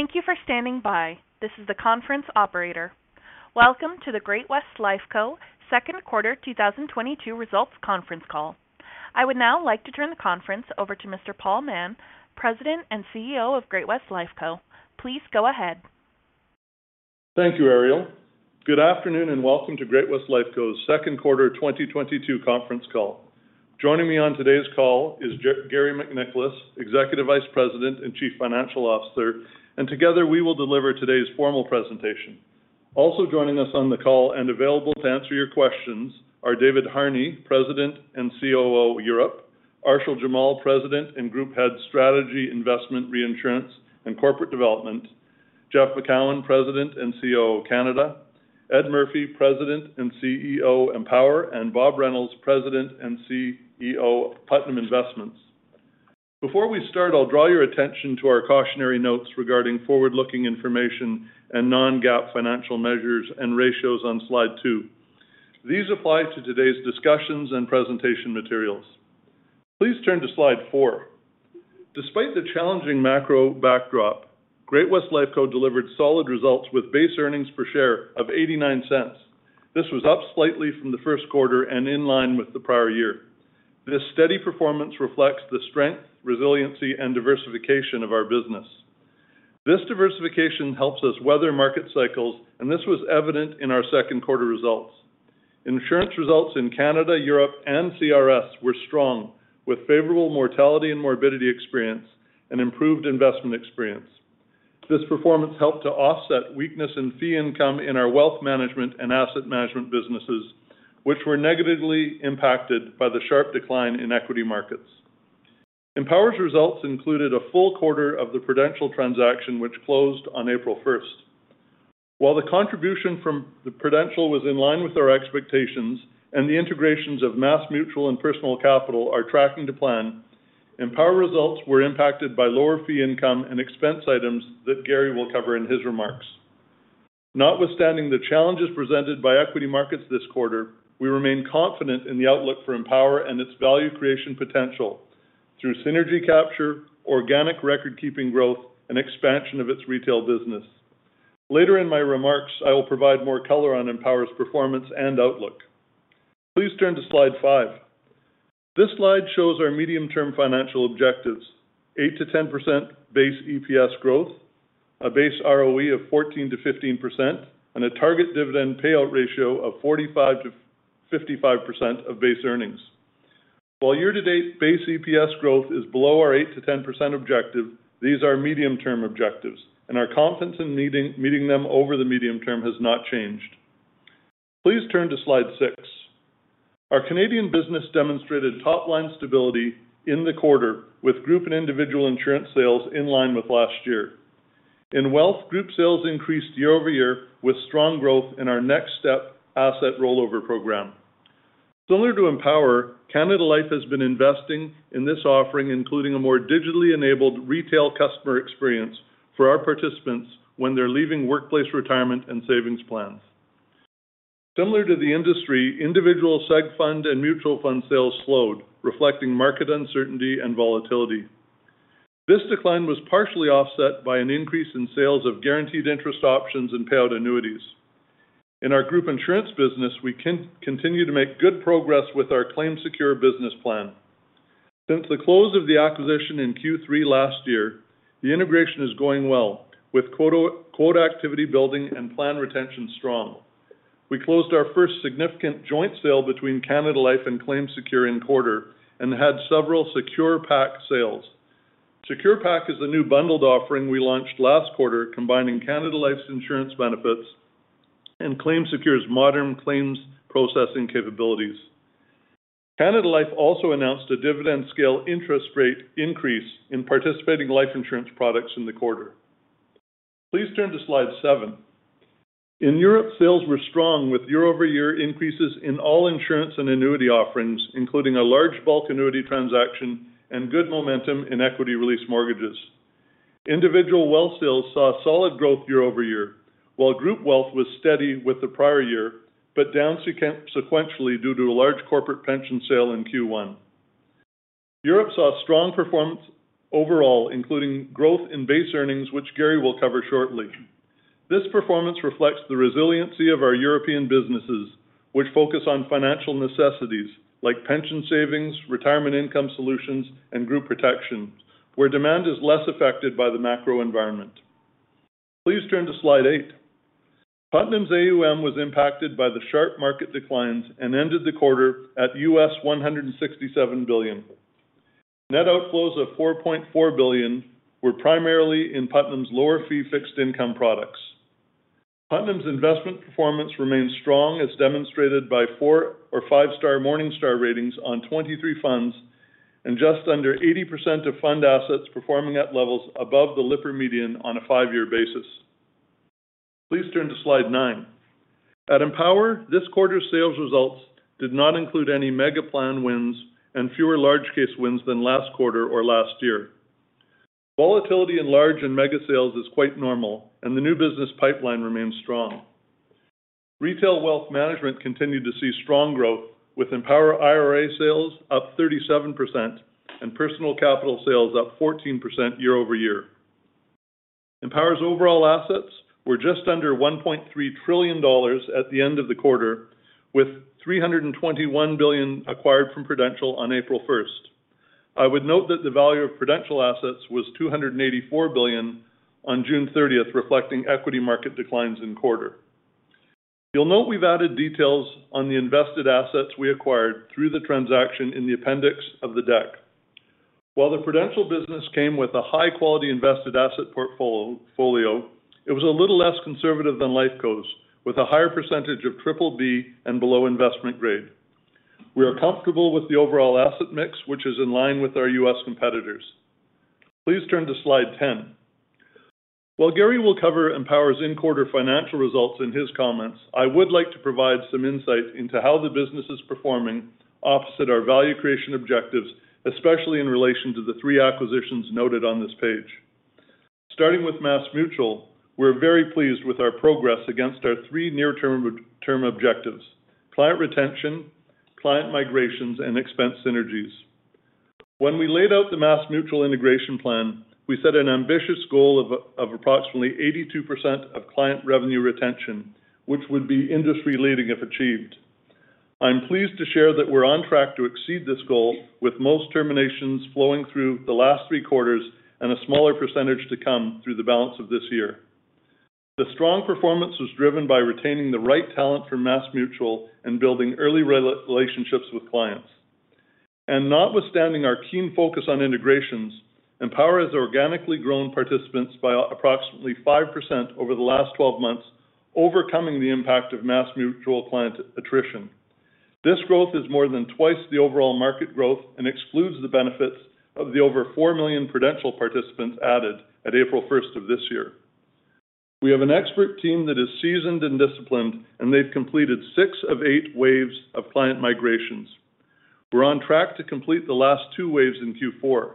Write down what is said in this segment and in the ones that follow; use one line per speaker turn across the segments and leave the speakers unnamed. Thank you for standing by. This is the conference operator. Welcome to the Great-West Lifeco Second Quarter 2022 Results Conference Call. I would now like to turn the conference over to Mr. Paul Mahon, President and CEO of Great-West Lifeco. Please go ahead.
Thank you, Ariel. Good afternoon, and welcome to Great-West Lifeco's Second Quarter 2022 Conference Call. Joining me on today's call is Garry MacNicholas, Executive Vice President and Chief Financial Officer, and together, we will deliver today's formal presentation. Also joining us on the call and available to answer your questions are David Harney, President and COO of Europe, Arshil Jamal, President and Group Head, Strategy, Investment, Reinsurance, and Corporate Development, Jeff Macoun, President and COO of Canada, Ed Murphy, President and CEO, Empower, and Bob Reynolds, President and CEO of Putnam Investments. Before we start, I'll draw your attention to our cautionary notes regarding forward-looking information and non-GAAP financial measures and ratios on slide 2. These apply to today's discussions and presentation materials. Please turn to slide 4. Despite the challenging macro backdrop, Great-West Lifeco delivered solid results with base earnings per share of 0.89. This was up slightly from the first quarter and in line with the prior year. This steady performance reflects the strength, resiliency, and diversification of our business. This diversification helps us weather market cycles, and this was evident in our second quarter results. Insurance results in Canada, Europe, and CRS were strong, with favorable mortality and morbidity experience and improved investment experience. This performance helped to offset weakness in fee income in our Wealth Management and Asset Management businesses, which were negatively impacted by the sharp decline in equity markets. Empower's results included a full quarter of the Prudential transaction, which closed on April 1. While the contribution from the Prudential was in line with our expectations and the integrations of MassMutual and Personal Capital are tracking to plan, Empower results were impacted by lower fee income and expense items that Garry will cover in his remarks. Notwithstanding the challenges presented by equity markets this quarter, we remain confident in the outlook for Empower and its value creation potential through synergy capture, organic record-keeping growth, and expansion of its Retail business. Later in my remarks, I will provide more color on Empower's performance and outlook. Please turn to slide 5. This slide shows our medium-term financial objectives. 8%-10% base EPS growth, a base ROE of 14%-15%, and a target dividend payout ratio of 45%-55% of base earnings. While year-to-date base EPS growth is below our 8%-10% objective, these are medium-term objectives, and our confidence in meeting them over the medium term has not changed. Please turn to slide 6. Our Canadian business demonstrated top-line stability in the quarter, with group and individual insurance sales in line with last year. In Wealth, group sales increased year-over-year, with strong growth in our NextStep Asset Rollover program. Similar to Empower, Canada Life has been investing in this offering, including a more digitally enabled retail customer experience for our participants when they're leaving workplace retirement and savings plans. Similar to the industry, individual seg fund and mutual fund sales slowed, reflecting market uncertainty and volatility. This decline was partially offset by an increase in sales of guaranteed interest options and payout annuities. In our Group Insurance business, we continue to make good progress with our ClaimSecure business plan. Since the close of the acquisition in Q3 last year, the integration is going well, with quota activity building and plan retention strong. We closed our first significant joint sale between Canada Life and ClaimSecure in quarter and had several SecurePak sales. SecurePak is the new bundled offering we launched last quarter, combining Canada Life's insurance benefits and ClaimSecure's modern claims processing capabilities. Canada Life also announced a dividend scale interest rate increase in participating Life Insurance products in the quarter. Please turn to slide 7. In Europe, sales were strong with year-over-year increases in all insurance and annuity offerings, including a large bulk annuity transaction and good momentum in equity release mortgages. Individual wealth sales saw solid growth year-over-year, while group wealth was steady with the prior year, but down sequentially due to a large corporate pension sale in Q1. Europe saw strong performance overall, including growth in base earnings, which Garry will cover shortly. This performance reflects the resiliency of our European businesses, which focus on financial necessities like pension savings, retirement income solutions, and group protection, where demand is less affected by the macro environment. Please turn to slide 8. Putnam's AUM was impacted by the sharp market declines and ended the quarter at $167 billion. Net outflows of $4.4 billion were primarily in Putnam's lower fee fixed income products. Putnam's investment performance remains strong, as demonstrated by four- or five-star Morningstar ratings on 23 funds and just under 80% of fund assets performing at levels above the Lipper median on a 5-year basis. Please turn to slide 9. At Empower, this quarter's sales results did not include any mega plan wins and fewer large case wins than last quarter or last year. Volatility in large and mega sales is quite normal, and the new business pipeline remains strong. Retail wealth management continued to see strong growth with Empower IRA sales up 37% and Personal Capital sales up 14% year-over-year. Empower's overall assets were just under $1.3 trillion at the end of the quarter, with $321 billion acquired from Prudential on April 1. I would note that the value of Prudential assets was $284 billion on June 30, reflecting equity market declines in quarter. You'll note we've added details on the invested assets we acquired through the transaction in the appendix of the deck. While the Prudential business came with a high quality invested asset portfolio, it was a little less conservative than Lifeco's, with a higher percentage of BBB and below investment grade. We are comfortable with the overall asset mix, which is in line with our U.S. competitors. Please turn to slide 10. While Garry will cover Empower's first quarter financial results in his comments, I would like to provide some insight into how the business is performing against our value creation objectives, especially in relation to the three acquisitions noted on this page. Starting with MassMutual, we're very pleased with our progress against our three near-term objectives: client retention, client migrations, and expense synergies. When we laid out the MassMutual integration plan, we set an ambitious goal of approximately 82% of client revenue retention, which would be industry-leading if achieved. I'm pleased to share that we're on track to exceed this goal, with most terminations flowing through the last three quarters and a smaller percentage to come through the balance of this year. The strong performance was driven by retaining the right talent for MassMutual and building early relationships with clients. Notwithstanding our keen focus on integrations, Empower has organically grown participants by approximately 5% over the last 12 months, overcoming the impact of MassMutual client attrition. This growth is more than twice the overall market growth and excludes the benefits of the over 4 million Prudential participants added at April 1 of this year. We have an expert team that is seasoned and disciplined, and they've completed 6 of 8 waves of client migrations. We're on track to complete the last 2 waves in Q4.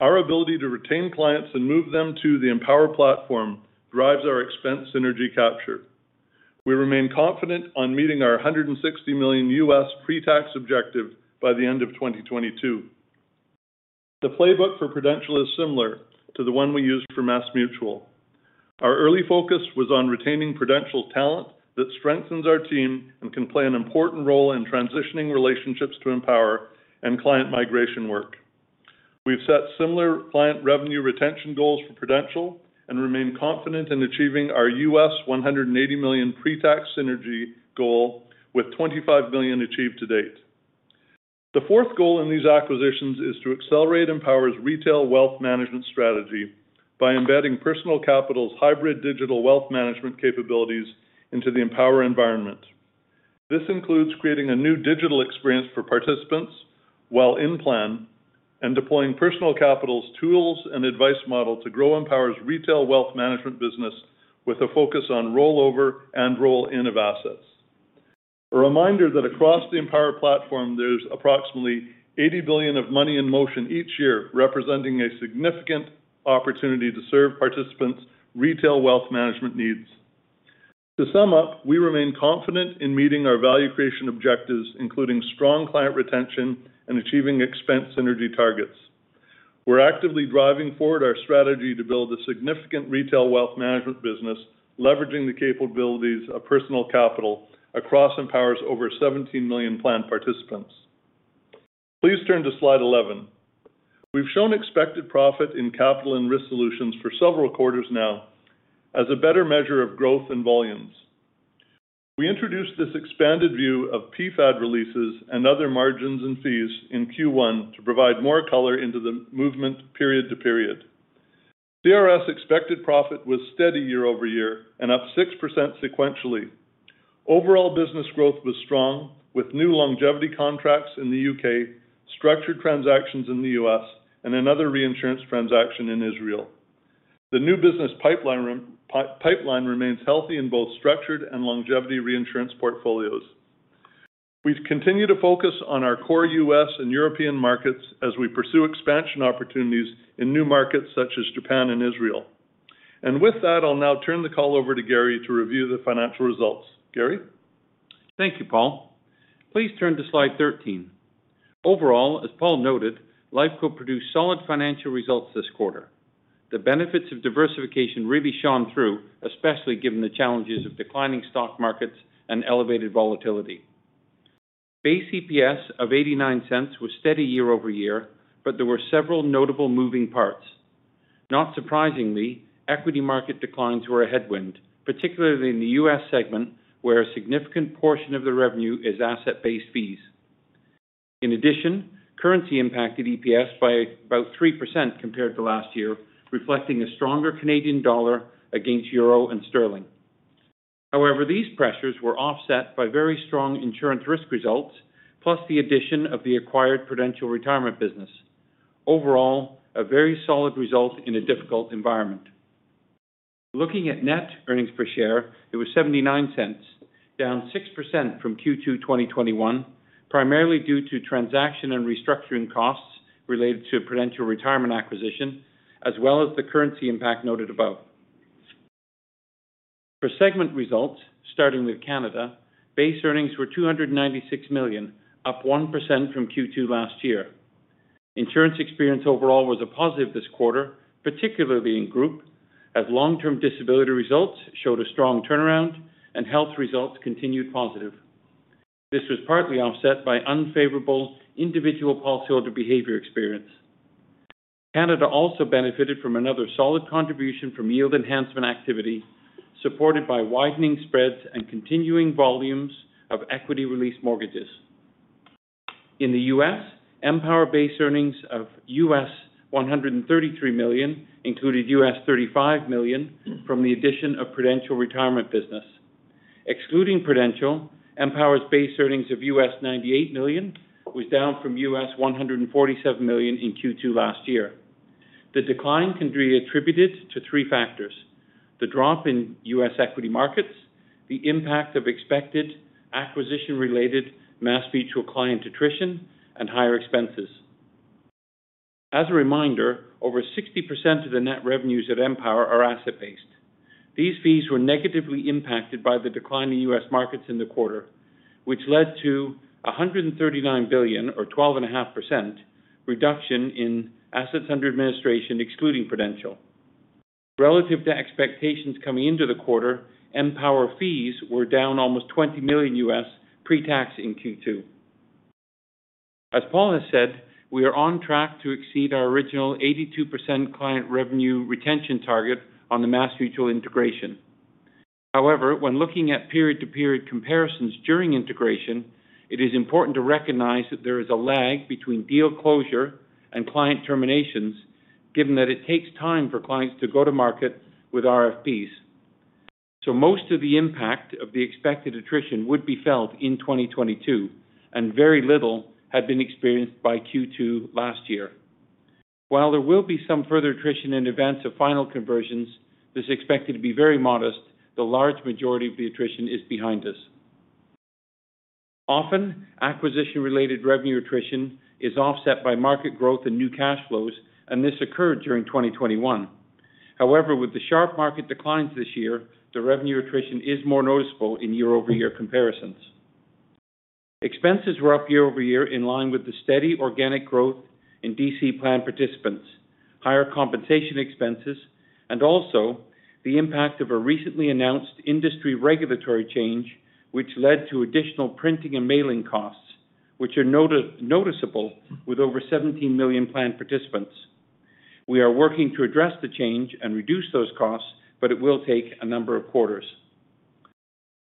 Our ability to retain clients and move them to the Empower platform drives our expense synergy capture. We remain confident on meeting our $160 million pre-tax objective by the end of 2022. The playbook for Prudential is similar to the one we used for MassMutual. Our early focus was on retaining Prudential talent that strengthens our team and can play an important role in transitioning relationships to Empower and client migration work. We've set similar client revenue retention goals for Prudential and remain confident in achieving our $180 million pre-tax synergy goal with $25 million achieved to date. The fourth goal in these acquisitions is to accelerate Empower's retail wealth management strategy by embedding Personal Capital's hybrid digital wealth management capabilities into the Empower environment. This includes creating a new digital experience for participants while in plan and deploying Personal Capital's tools and advice model to grow Empower's Retail Wealth Management business with a focus on rollover and roll in of assets. A reminder that across the Empower platform, there's approximately $80 billion of money in motion each year, representing a significant opportunity to serve participants' retail wealth management needs. To sum up, we remain confident in meeting our value creation objectives, including strong client retention and achieving expense synergy targets. We're actively driving forward our strategy to build a significant Retail Wealth Management business, leveraging the capabilities of Personal Capital across Empower's over 17 million plan participants. Please turn to slide 11. We've shown expected profit in Capital and Risk Solutions for several quarters now as a better measure of growth and volumes. We introduced this expanded view of PFAD releases and other margins and fees in Q1 to provide more color into the movement period to period. CRS expected profit was steady year-over-year and up 6% sequentially. Overall business growth was strong, with new longevity contracts in the U.K., structured transactions in the U.S., and another reinsurance transaction in Israel. The new business pipeline remains healthy in both structured and longevity reinsurance portfolios. We continue to focus on our core U.S. and European markets as we pursue expansion opportunities in new markets such as Japan and Israel. With that, I'll now turn the call over to Garry to review the financial results. Garry?
Thank you, Paul. Please turn to slide 13. Overall, as Paul noted, Life Co produced solid financial results this quarter. The benefits of diversification really shone through, especially given the challenges of declining stock markets and elevated volatility. Base EPS of 0.89 was steady year-over-year, but there were several notable moving parts. Not surprisingly, equity market declines were a headwind, particularly in the U.S. segment, where a significant portion of the revenue is asset based fees. In addition, currency impacted EPS by about 3% compared to last year, reflecting a stronger Canadian dollar against euro and sterling. However, these pressures were offset by very strong insurance risk results, plus the addition of the acquired Prudential Retirement business. Overall, a very solid result in a difficult environment. Looking at net earnings per share, it was 0.79, down 6% from Q2 2021. Primarily due to transaction and restructuring costs related to Prudential retirement acquisition, as well as the currency impact noted above. For segment results, starting with Canada, base earnings were 296 million, up 1% from Q2 last year. Insurance experience overall was a positive this quarter, particularly in group as long-term disability results showed a strong turnaround and health results continued positive. This was partly offset by unfavorable individual policyholder behavior experience. Canada also benefited from another solid contribution from yield enhancement activity, supported by widening spreads and continuing volumes of equity release mortgages. In the U.S., Empower base earnings of $133 million included $35 million from the addition of Prudential Retirement business. Excluding Prudential, Empower's base earnings of $98 million was down from $147 million in Q2 last year. The decline can be attributed to three factors, the drop in U.S. equity markets, the impact of expected acquisition-related MassMutual client attrition, and higher expenses. As a reminder, over 60% of the net revenues at Empower are asset-based. These fees were negatively impacted by the decline in U.S. markets in the quarter, which led to $139 billion or 12.5% reduction in assets under administration excluding Prudential. Relative to expectations coming into the quarter, Empower fees were down almost $20 million pre-tax in Q2. As Paul has said, we are on track to exceed our original 82% client revenue retention target on the MassMutual integration. However, when looking at period to period comparisons during integration, it is important to recognize that there is a lag between deal closure and client terminations, given that it takes time for clients to go to market with RFPs. Most of the impact of the expected attrition would be felt in 2022, and very little had been experienced by Q2 last year. While there will be some further attrition in advance of final conversions, this is expected to be very modest. The large majority of the attrition is behind us. Often, acquisition related revenue attrition is offset by market growth and new cash flows, and this occurred during 2021. However, with the sharp market declines this year, the revenue attrition is more noticeable in year-over-year comparisons. Expenses were up year-over-year in line with the steady organic growth in DC plan participants. Higher compensation expenses and also the impact of a recently announced industry regulatory change which led to additional printing and mailing costs, which are noticeable with over 17 million plan participants. We are working to address the change and reduce those costs, but it will take a number of quarters.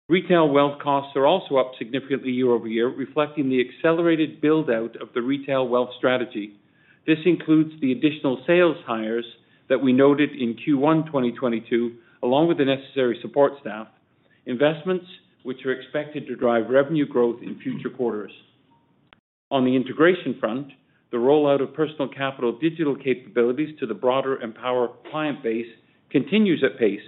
Retail wealth costs are also up significantly year-over-year, reflecting the accelerated build out of the retail wealth strategy. This includes the additional sales hires that we noted in Q1 2022, along with the necessary support staff investments which are expected to drive revenue growth in future quarters. On the integration front, the rollout of Personal Capital digital capabilities to the broader Empower client base continues at pace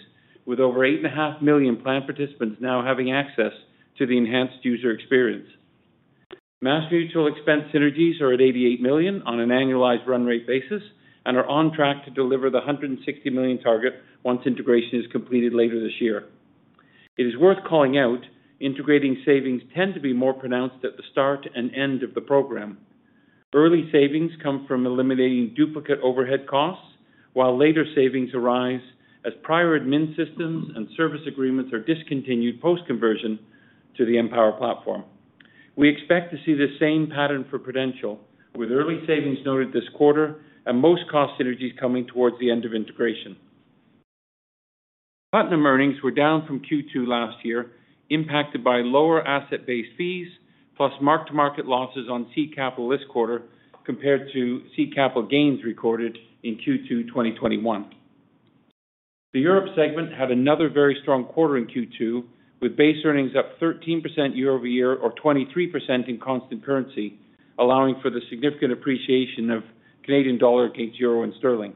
with over 8.5 million plan participants now having access to the enhanced user experience. MassMutual expense synergies are at $88 million on an annualized run rate basis and are on track to deliver the $160 million target once integration is completed later this year. It is worth calling out integration savings tend to be more pronounced at the start and end of the program. Early savings come from eliminating duplicate overhead costs, while later savings arise as prior admin systems and service agreements are discontinued post conversion to the Empower platform. We expect to see the same pattern for Prudential with early savings noted this quarter and most cost synergies coming towards the end of integration. Putnam earnings were down from Q2 last year, impacted by lower asset-based fees plus mark-to-market losses on seed capital this quarter compared to seed capital gains recorded in Q2 2021. The Europe segment had another very strong quarter in Q2, with base earnings up 13% year-over-year or 23% in constant currency, allowing for the significant appreciation of Canadian dollar against euro and sterling.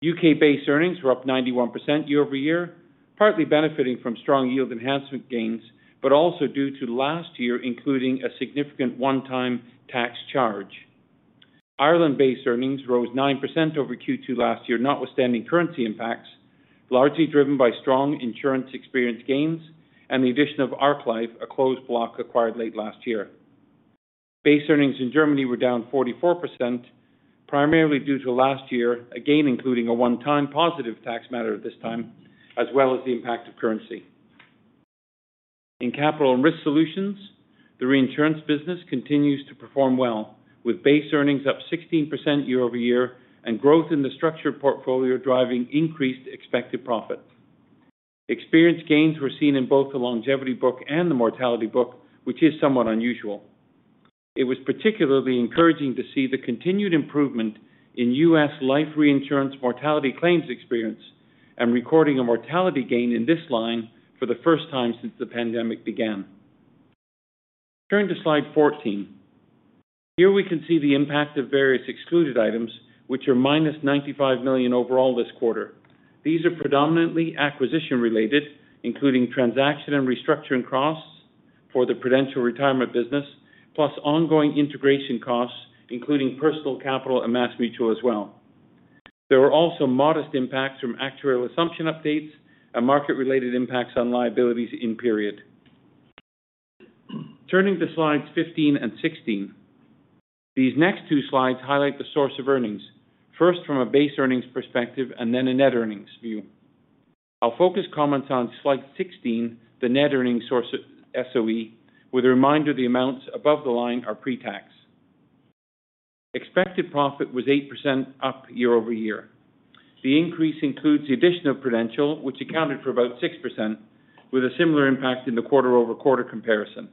U.K. base earnings were up 91% year-over-year, partly benefiting from strong yield enhancement gains but also due to last year including a significant one-time tax charge. Ireland-based earnings rose 9% over Q2 last year notwithstanding currency impacts largely driven by strong insurance experience gains and the addition of Ark Life, a closed block acquired late last year. Base earnings in Germany were down 44% primarily due to last year, again including a one-time positive tax matter at this time as well as the impact of currency. In Capital and Risk Solutions, the Reinsurance business continues to perform well with base earnings up 16% year-over-year and growth in the structured portfolio driving increased expected profits. Experience gains were seen in both the longevity book and the mortality book, which is somewhat unusual. It was particularly encouraging to see the continued improvement in U.S. life reinsurance mortality claims experience and recording a mortality gain in this line for the first time since the pandemic began. Turning to slide 14. Here we can see the impact of various excluded items which are -95 million overall this quarter. These are predominantly acquisition related, including transaction and restructuring costs for the Prudential Retirement business, plus ongoing integration costs including Personal Capital and MassMutual as well. There were also modest impacts from actuarial assumption updates and market-related impacts on liabilities in period. Turning to slides 15 and 16. These next two slides highlight the source of earnings, first from a base earnings perspective and then a net earnings view. I'll focus comments on slide 16, the net earnings source SOE, with a reminder the amounts above the line are pre-tax. Expected profit was 8% up year-over-year. The increase includes the addition of Prudential, which accounted for about 6%, with a similar impact in the quarter-over-quarter comparison.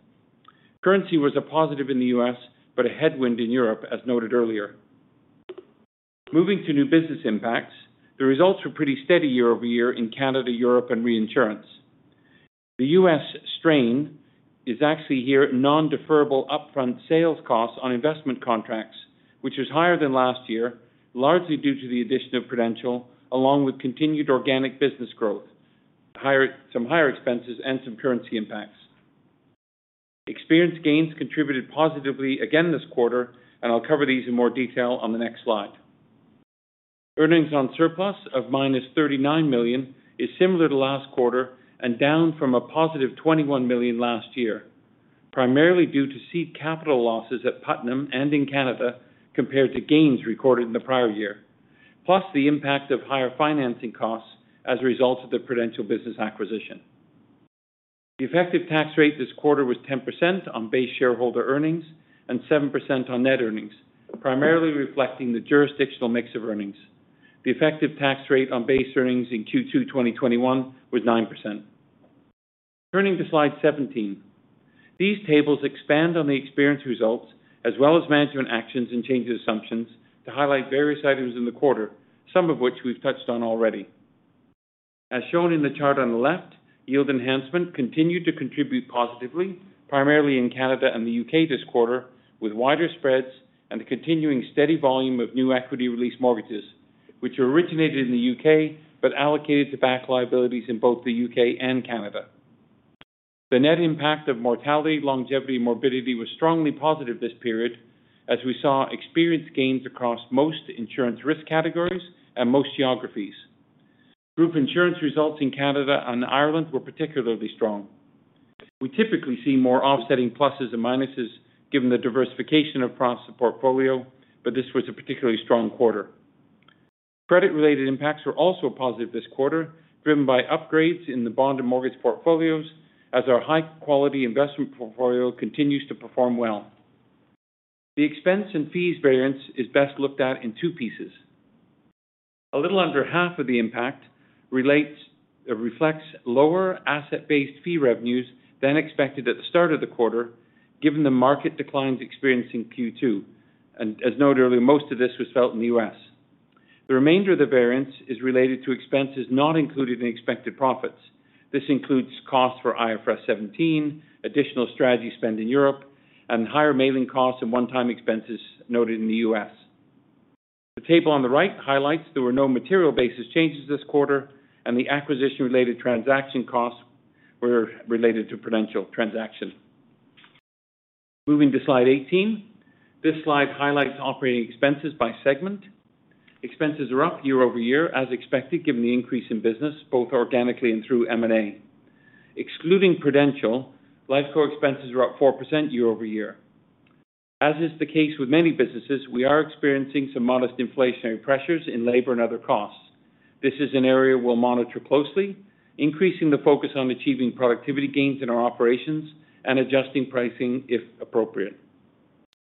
Currency was a positive in the U.S., but a headwind in Europe, as noted earlier. Moving to new business impacts. The results were pretty steady year-over-year in Canada, Europe and reinsurance. The U.S. strain is actually the non-deferrable upfront sales costs on investment contracts, which is higher than last year, largely due to the addition of Prudential, along with continued organic business growth, higher expenses and some currency impacts. Experience gains contributed positively again this quarter, and I'll cover these in more detail on the next slide. Earnings on surplus of $-39 million is similar to last quarter and down from 21 million last year, primarily due to seed capital losses at Putnam and in Canada compared to gains recorded in the prior year, plus the impact of higher financing costs as a result of the Prudential business acquisition. The effective tax rate this quarter was 10% on base shareholder earnings and 7% on net earnings, primarily reflecting the jurisdictional mix of earnings. The effective tax rate on base earnings in Q2 2021 was 9%. Turning to slide 17. These tables expand on the experience results as well as management actions and changes assumptions to highlight various items in the quarter, some of which we've touched on already. As shown in the chart on the left, yield enhancement continued to contribute positively, primarily in Canada and the U.K. this quarter, with wider spreads and the continuing steady volume of new equity release mortgages which originated in the U.K. but allocated to back liabilities in both the U.K. and Canada. The net impact of mortality, longevity, morbidity was strongly positive this period as we saw experience gains across most insurance risk categories and most geographies. Group insurance results in Canada and Ireland were particularly strong. We typically see more offsetting pluses and minuses given the diversification of our portfolio, but this was a particularly strong quarter. Credit related impacts were also positive this quarter, driven by upgrades in the bond and mortgage portfolios as our high quality investment portfolio continues to perform well. The expense and fees variance is best looked at in two pieces. A little under half of the impact relates or reflects lower asset based fee revenues than expected at the start of the quarter, given the market declines experienced in Q2. As noted earlier, most of this was felt in the U.S. The remainder of the variance is related to expenses not included in expected profits. This includes costs for IFRS 17, additional strategy spend in Europe, and higher mailing costs and one time expenses noted in the U.S. The table on the right highlights there were no material basis changes this quarter and the acquisition related transaction costs were related to Prudential transaction. Moving to slide 18. This slide highlights operating expenses by segment. Expenses are up year-over-year as expected, given the increase in business both organically and through M&A. Excluding Prudential, Lifeco expenses are up 4% year-over-year. As is the case with many businesses, we are experiencing some modest inflationary pressures in labor and other costs. This is an area we'll monitor closely, increasing the focus on achieving productivity gains in our operations and adjusting pricing if appropriate.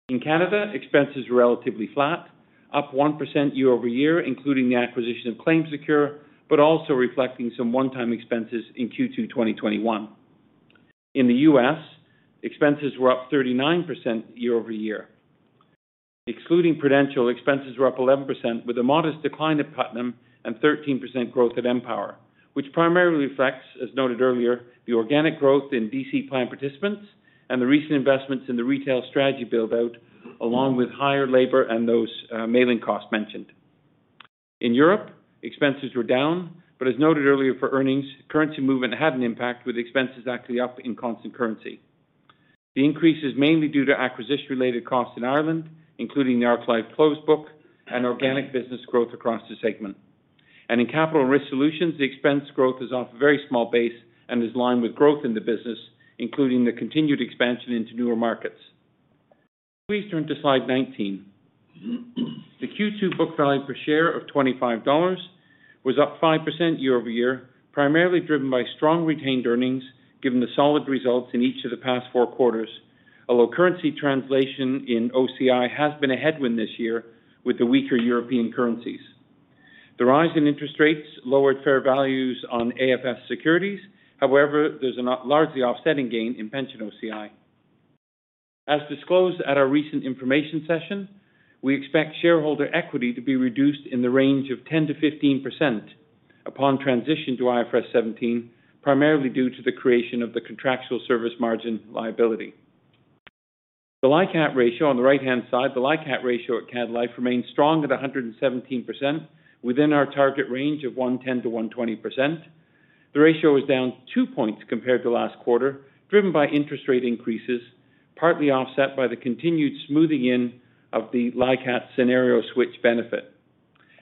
In Canada, expenses are relatively flat, up 1% year-over-year, including the acquisition of ClaimSecure, but also reflecting some one-time expenses in Q2 2021. In the U.S., expenses were up 39% year-over-year. Excluding Prudential, expenses were up 11%, with a modest decline at Putnam and 13% growth at Empower, which primarily reflects, as noted earlier, the organic growth in DC plan participants and the recent investments in the retail strategy build out, along with higher labor and those mailing costs mentioned. In Europe, expenses were down, but as noted earlier for earnings, currency movement had an impact, with expenses actually up in constant currency. The increase is mainly due to acquisition related costs in Ireland, including the Ark Life closed book and organic business growth across the segment. In Capital and Risk Solutions, the expense growth is off a very small base and is in line with growth in the business, including the continued expansion into newer markets. Please turn to slide 19. The Q2 book value per share of 25 dollars was up 5% year-over-year, primarily driven by strong retained earnings given the solid results in each of the past four quarters. Although currency translation in OCI has been a headwind this year with the weaker European currencies. The rise in interest rates lowered fair values on AFS securities. However, there's a largely offsetting gain in pension OCI. As disclosed at our recent information session, we expect shareholder equity to be reduced in the range of 10%-15%. Upon transition to IFRS 17, primarily due to the creation of the contractual service margin liability. The LICAT ratio on the right-hand side, the LICAT ratio at Canada Life remains strong at 117% within our target range of 110%-120%. The ratio is down two points compared to last quarter, driven by interest rate increases, partly offset by the continued smoothing in of the LICAT scenario switch benefit.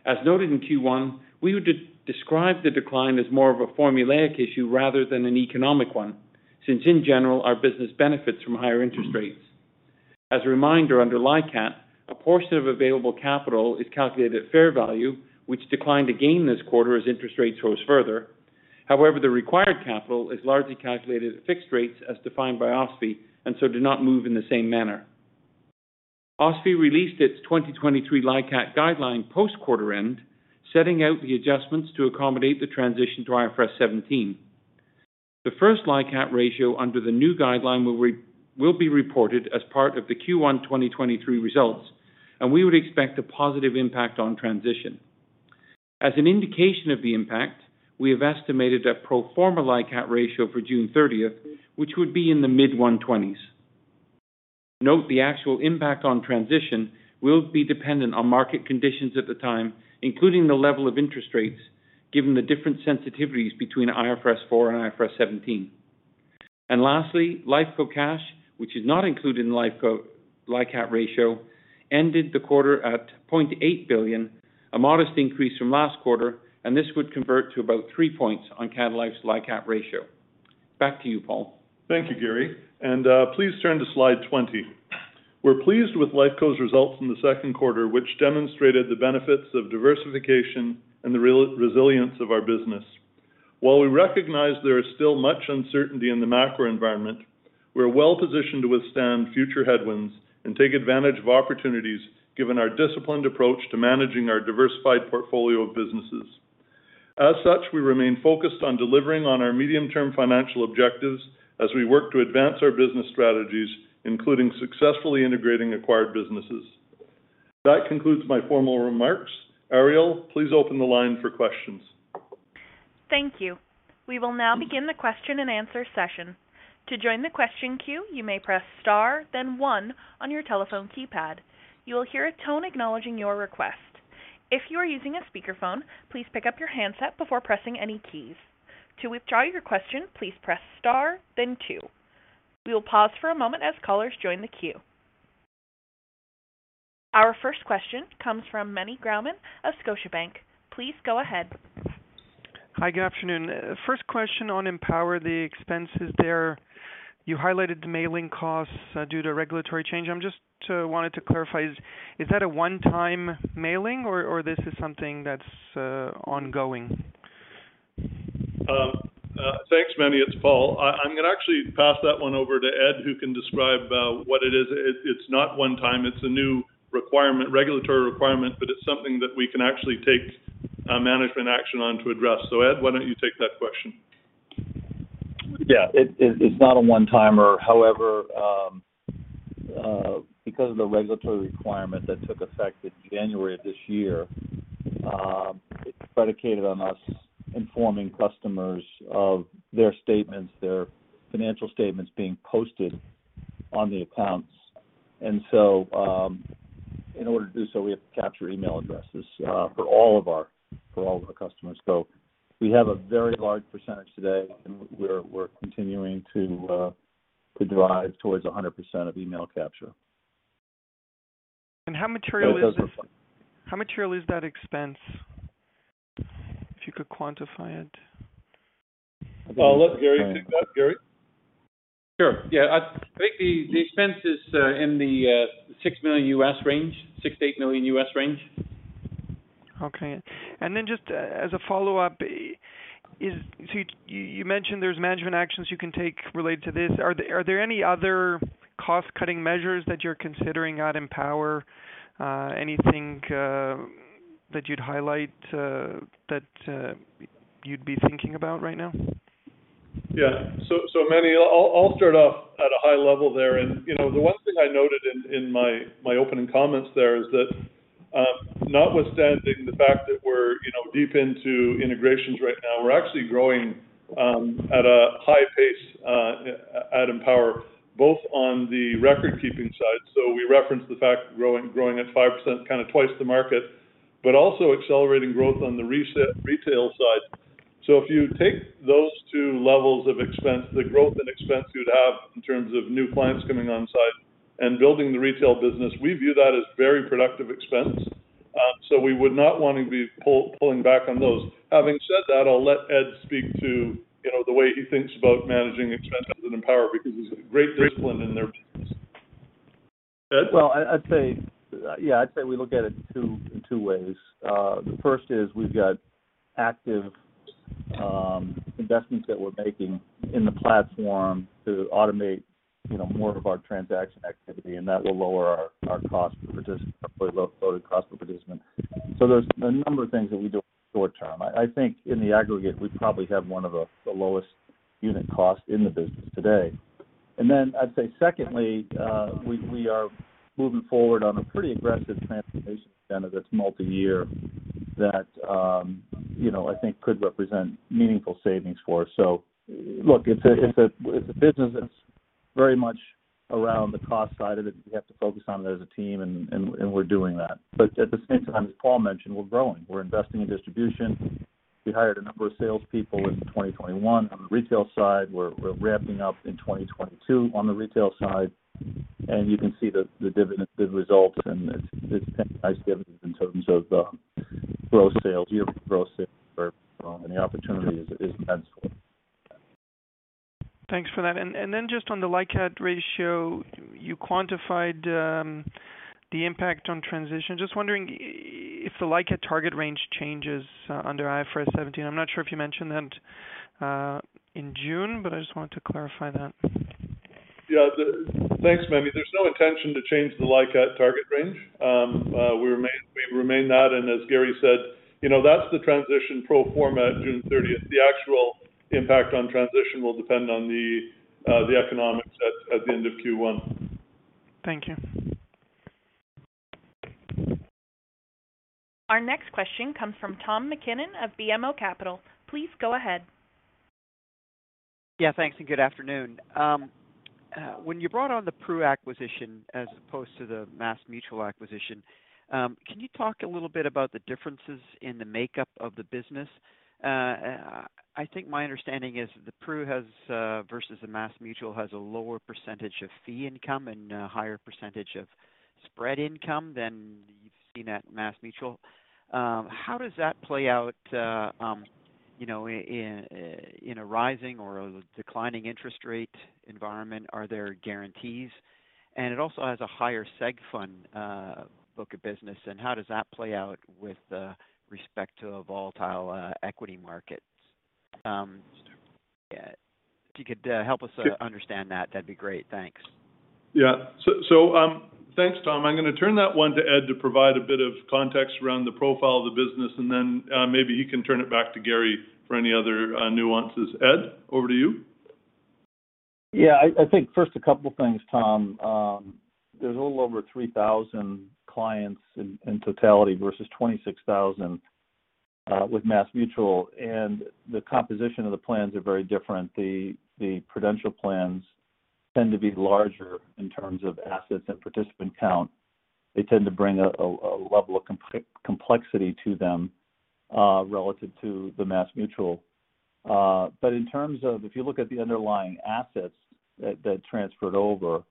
As noted in Q1, we would describe the decline as more of a formulaic issue rather than an economic one, since in general, our business benefits from higher interest rates. As a reminder, under LICAT, a portion of available capital is calculated at fair value, which declined this quarter as interest rates rose further. However, the required capital is largely calculated at fixed rates as defined by OSFI, and so does not move in the same manner. OSFI released its 2023 LICAT guideline post quarter end, setting out the adjustments to accommodate the transition to IFRS 17. The first LICAT ratio under the new guideline will be reported as part of the Q1 2023 results, and we would expect a positive impact on transition. As an indication of the impact, we have estimated that pro forma LICAT ratio for June 30, which would be in the mid-120s. Note the actual impact on transition will be dependent on market conditions at the time, including the level of interest rates, given the different sensitivities between IFRS 4 and IFRS 17. Lastly, Life Co cash, which is not included in Life Co LICAT ratio, ended the quarter at 0.8 billion, a modest increase from last quarter, and this would convert to about 3 points on Canada Life's LICAT ratio. Back to you, Paul.
Thank you, Garry. Please turn to slide 20. We're pleased with Lifeco's results in the second quarter, which demonstrated the benefits of diversification and the resilience of our business. While we recognize there is still much uncertainty in the macro environment, we're well positioned to withstand future headwinds and take advantage of opportunities given our disciplined approach to managing our diversified portfolio of businesses. As such, we remain focused on delivering on our medium-term financial objectives as we work to advance our business strategies, including successfully integrating acquired businesses. That concludes my formal remarks. Ariel, please open the line for questions.
Thank you. We will now begin the question and answer session. To join the question queue, you may press star, then one on your telephone keypad. You will hear a tone acknowledging your request. If you are using a speakerphone, please pick up your handset before pressing any keys. To withdraw your question, please press star, then two. We will pause for a moment as callers join the queue. Our first question comes from Meny Grauman of Scotiabank. Please go ahead.
Hi, good afternoon. First question on Empower, the expenses there. You highlighted the mailing costs due to regulatory change. I just wanted to clarify, is that a one-time mailing or this is something that's ongoing?
Thanks, Meny. It's Paul. I'm going to actually pass that one over to Ed, who can describe what it is. It's not one time. It's a new requirement, regulatory requirement, but it's something that we can actually take management action on to address. Ed, why don't you take that question?
Yeah, it's not a one-timer. However, because of the regulatory requirement that took effect in January of this year, it's predicated on us informing customers of their statements, their financial statements being posted on the accounts. In order to do so, we have to capture email addresses for all of our customers. We have a very large percentage today, and we're continuing to drive towards 100% of email capture.
How material is-
It doesn't.
How material is that expense, if you could quantify it?
I'll let Garry take that. Garry?
Sure. Yeah. I think the expense is in the $6 million range, $6-$8 million range.
Okay. Just as a follow-up, so you mentioned there's management actions you can take related to this. Are there any other cost-cutting measures that you're considering at Empower? Anything that you'd highlight that you'd be thinking about right now?
Yeah. Meny, I'll start off at a high level there. The one thing I noted in my opening comments there is that, notwithstanding the fact that we're deep into integrations right now, we're actually growing at a high pace at Empower, both on the record-keeping side. We referenced the fact growing at 5%, kind of twice the market, but also accelerating growth on the retail side. If you take those two levels of expense, the growth and expense you'd have in terms of new clients coming on site and building the Retail business, we view that as very productive expense. We would not want to be pulling back on those. Having said that, I'll let Ed speak to, you know, the way he thinks about managing expenses at Empower because he has great discipline in their business. Ed?
Well, I'd say, yeah, we look at it in two ways. The first is we've got active investments that we're making in the platform to automate, you know, more of our transaction activity, and that will lower our cost per participant, our fully loaded cost per participant. There's a number of things that we do short term. I think in the aggregate, we probably have one of the lowest unit costs in the business today. I'd say secondly, we are moving forward on a pretty aggressive transformation agenda that's multi-year that, you know, I think could represent meaningful savings for us. Look, it's a business that's very much around the cost side of it. We have to focus on it as a team, and we're doing that. At the same time, as Paul mentioned, we're growing. We're investing in distribution. We hired a number of salespeople in 2021. On the retail side, we're ramping up in 2022 on the retail side. You can see the dividend, the results, and it's paying nice dividends in terms of growth sales, year-over-year growth sales, and the opportunity is tenfold.
Thanks for that. Then just on the LICAT ratio, you quantified the impact on transition. Just wondering if the LICAT target range changes under IFRS 17. I'm not sure if you mentioned that in June, but I just wanted to clarify that.
Thanks, Meny. There's no intention to change the LICAT target range. We remain that. As Garry said, you know, that's the transition pro forma at June 30. The actual impact on transition will depend on the economics at the end of Q1.
Thank you.
Our next question comes from Tom MacKinnon of BMO Capital. Please go ahead.
Yeah, thanks. Good afternoon. When you brought on the Pru acquisition as opposed to the MassMutual acquisition, can you talk a little bit about the differences in the makeup of the business? I think my understanding is the Pru has versus the MassMutual has a lower percentage of fee income and a higher percentage of spread income than you've seen at MassMutual. How does that play out, you know, in a rising or a declining interest rate environment? Are there guarantees? It also has a higher segregated fund book of business, and how does that play out with respect to volatile equity markets? If you could help us understand that'd be great. Thanks.
Yeah, thanks, Tom. I'm gonna turn that one to Ed to provide a bit of context around the profile of the business, and then, maybe he can turn it back to Garry for any other nuances. Ed, over to you.
Yeah. I think first a couple things, Tom. There's a little over 3,000 clients in totality versus 26,000 with MassMutual, and the composition of the plans are very different. The Prudential plans tend to be larger in terms of assets and participant count. They tend to bring a level of complexity to them relative to the MassMutual. But in terms of if you look at the underlying assets that transferred over,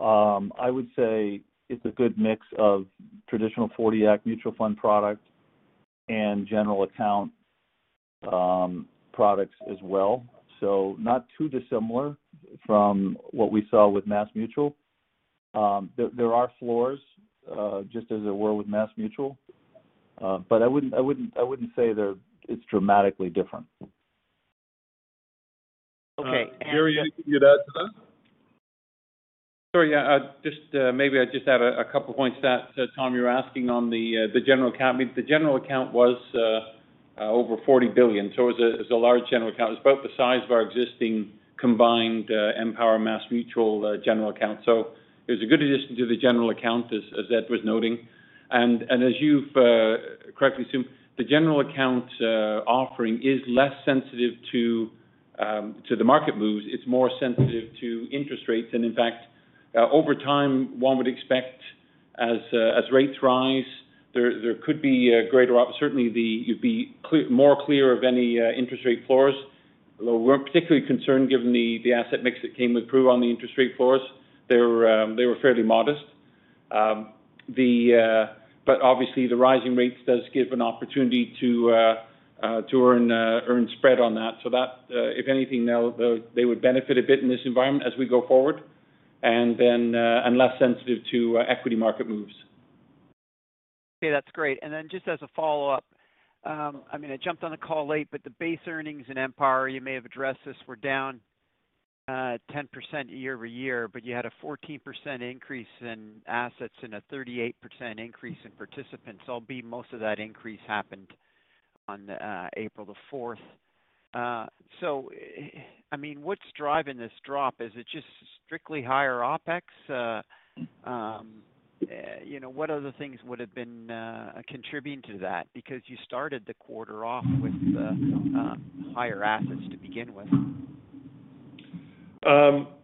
I would say it's a good mix of traditional '40 Act Mutual Fund product and General Account products as well. So not too dissimilar from what we saw with MassMutual. There are floors just as there were with MassMutual. But I wouldn't say it's dramatically different.
Okay.
Garry, anything you'd add to that?
Sorry, yeah. Just maybe I'd just add a couple points to that. Tom, you were asking on the general account. I mean, the general account was over 40 billion. It was a large general account. It's about the size of our existing combined Empower MassMutual general account. It was a good addition to the general account, as Ed was noting. As you've correctly assumed, the general account offering is less sensitive to the market moves. It's more sensitive to interest rates. In fact, over time, one would expect as rates rise, there could be a greater opportunity. Certainly you'd be more clear of any interest rate floors. Although we weren't particularly concerned given the asset mix that came with Pru on the interest rate floors. They were fairly modest. Obviously the rising rates does give an opportunity to earn spread on that. That if anything, now they would benefit a bit in this environment as we go forward, and less sensitive to equity market moves.
Okay, that's great. Then just as a follow-up, I mean, I jumped on the call late, but the base earnings in Empower, you may have addressed this, were down 10% year-over-year, but you had a 14% increase in assets and a 38% increase in participants, albeit most of that increase happened on the April 4th. I mean, what's driving this drop? Is it just strictly higher OpEx? You know, what other things would have been contributing to that? Because you started the quarter off with higher assets to begin with.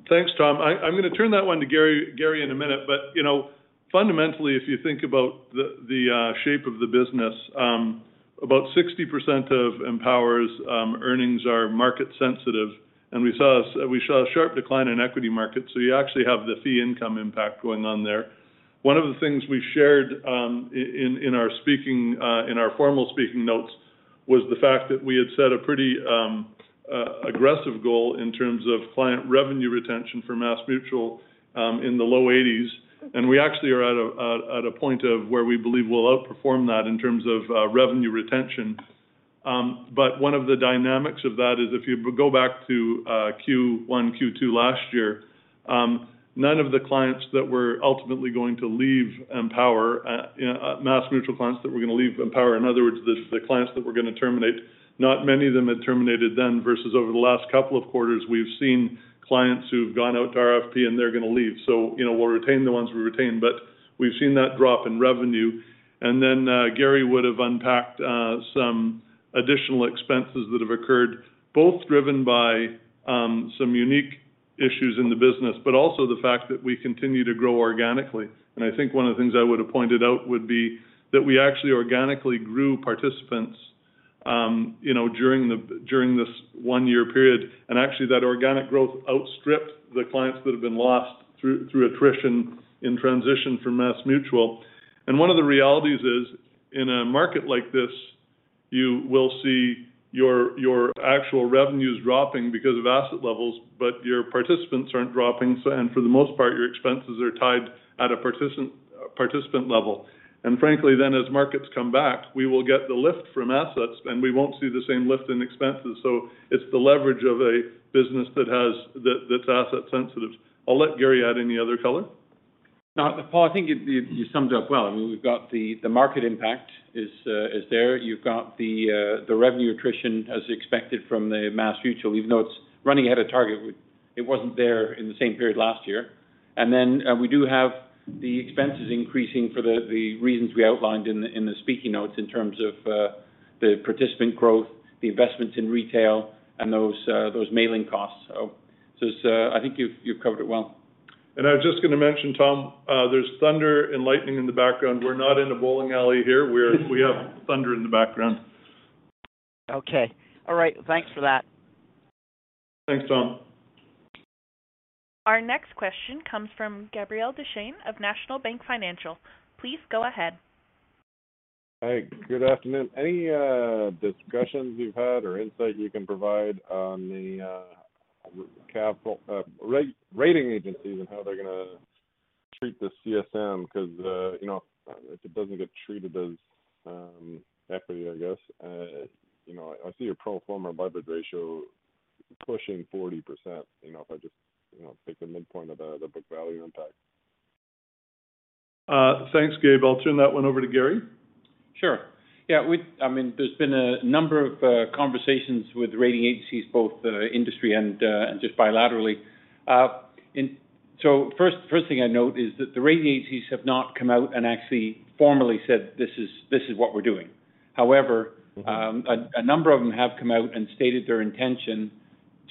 Thanks, Tom. I'm gonna turn that one to Garry in a minute, but you know, fundamentally, if you think about the shape of the business, about 60% of Empower's earnings are market sensitive. We saw a sharp decline in equity markets, so you actually have the fee income impact going on there. One of the things we shared in our formal speaking notes was the fact that we had set a pretty aggressive goal in terms of client revenue retention for MassMutual in the low 80s%. We actually are at a point where we believe we'll outperform that in terms of revenue retention. One of the dynamics of that is if you go back to Q1, Q2 last year, none of the clients that were ultimately going to leave Empower, you know, MassMutual clients that were going to leave Empower, in other words, the clients that we're going to terminate, not many of them had terminated then, versus over the last couple of quarters, we've seen clients who've gone out to RFP and they're going to leave. You know, we'll retain the ones we retain, but we've seen that drop in revenue. Garry would have unpacked some additional expenses that have occurred, both driven by some unique issues in the business, but also the fact that we continue to grow organically. I think one of the things I would have pointed out would be that we actually organically grew participants during this one-year period. Actually that organic growth outstripped the clients that have been lost through attrition in transition from MassMutual. One of the realities is, in a market like this, you will see your actual revenues dropping because of asset levels, but your participants aren't dropping. For the most part, your expenses are tied at a participant level. Frankly, then as markets come back, we will get the lift from assets, and we won't see the same lift in expenses. It's the leverage of a business that's asset sensitive. I'll let Garry add any other color.
No, Paul, I think you summed it up well. I mean, we've got the market impact is there. You've got the revenue attrition as expected from the MassMutual, even though it's running ahead of target. It wasn't there in the same period last year. Then, we do have the expenses increasing for the reasons we outlined in the speaking notes in terms of the participant growth, the investments in retail and those mailing costs. So it's. I think you've covered it well.
I was just gonna mention, Tom, there's thunder and lightning in the background. We're not in a bowling alley here. We have thunder in the background.
Okay. All right. Thanks for that.
Thanks, Tom.
Our next question comes from Gabriel Dechaine of National Bank Financial. Please go ahead.
Hey, good afternoon. Any discussions you've had or insight you can provide on the capital rating agencies and how they're gonna treat the CSM? Because, you know, if it doesn't get treated as equity, I guess, you know, I see your pro forma leverage ratio pushing 40%, you know, if I just, you know, take the midpoint of the book value impact.
Thanks, Gabe. I'll turn that one over to Garry.
Sure. Yeah, I mean, there's been a number of conversations with rating agencies, both industry and just bilaterally. First thing I'd note is that the rating agencies have not come out and actually formally said, "This is what we're doing." However. A number of them have come out and stated their intention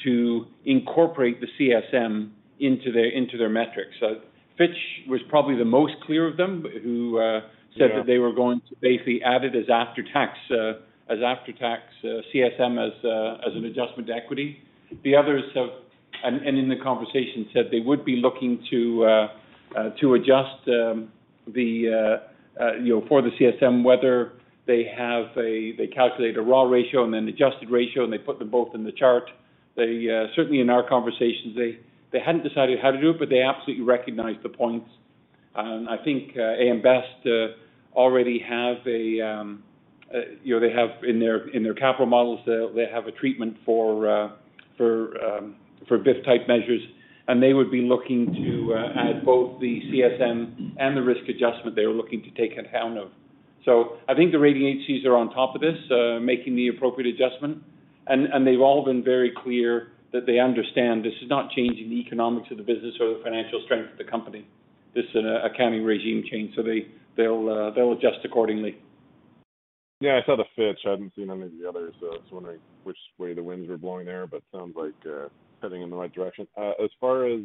to incorporate the CSM into their metrics. Fitch was probably the most clear of them, who said that they were going to basically add it as after tax CSM as an adjustment to equity. The others have, in the conversation said they would be looking to adjust, you know, for the CSM, whether they calculate a raw ratio and an adjusted ratio, and they put them both in the chart. They certainly in our conversations, they hadn't decided how to do it, but they absolutely recognized the points. I think, AM Best already have a, you know, they have in their capital models, they have a treatment for BVIF-type measures. They would be looking to add both the CSM and the risk adjustment they were looking to take account of. I think the rating agencies are on top of this, making the appropriate adjustment. They've all been very clear that they understand this is not changing the economics of the business or the financial strength of the company. This is an accounting regime change. They'll adjust accordingly.
Yeah, I saw the Fitch. I haven't seen any of the others. I was wondering which way the winds were blowing there, but sounds like heading in the right direction. As far as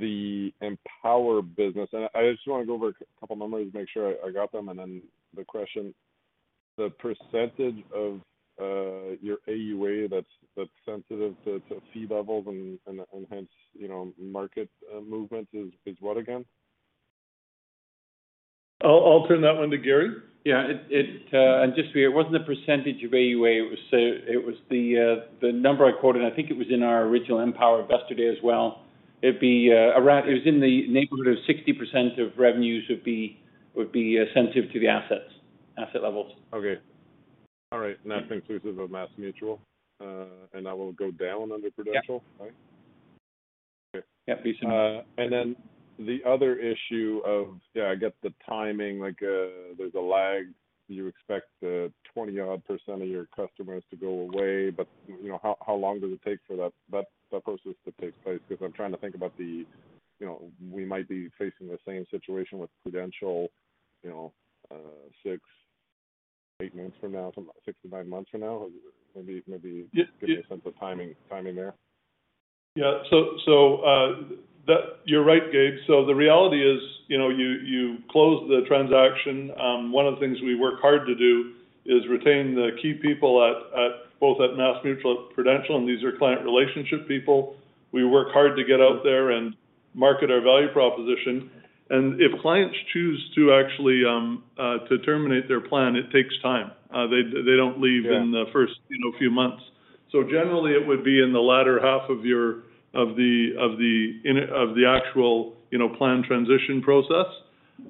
the Empower business, and I just want to go over a couple numbers, make sure I got them, and then the question. The percentage of your AUA that's sensitive to fee levels and hence, you know, market movement is what again?
I'll turn that one to Garry.
Yeah. To be clear, it wasn't a percentage of AUA. It was the number I quoted. I think it was in our original Empower Investor Day as well. It was in the neighborhood of 60% of revenues would be sensitive to the assets, asset levels.
Okay. All right. That's inclusive of MassMutual. That will go down under Prudential.
Yeah
Right? Okay.
Yeah.
The other issue of, yeah, I get the timing, like, there's a lag. You expect 20-odd% of your customers to go away. You know, how long does it take for that process to take place? Because I'm trying to think about the, you know, we might be facing the same situation with Prudential, you know, six, eight months from now, six to nine months from now.
Yeah, yeah.
Give me a sense of timing there.
Yeah. You're right, Gabe. The reality is, you know, you close the transaction. One of the things we work hard to do is retain the key people at both MassMutual and Prudential, and these are client relationship people. We work hard to get out there and market our value proposition. If clients choose to actually to terminate their plan, it takes time. They don't leave In the first, you know, few months. Generally, it would be in the latter half of the actual, you know, plan transition process.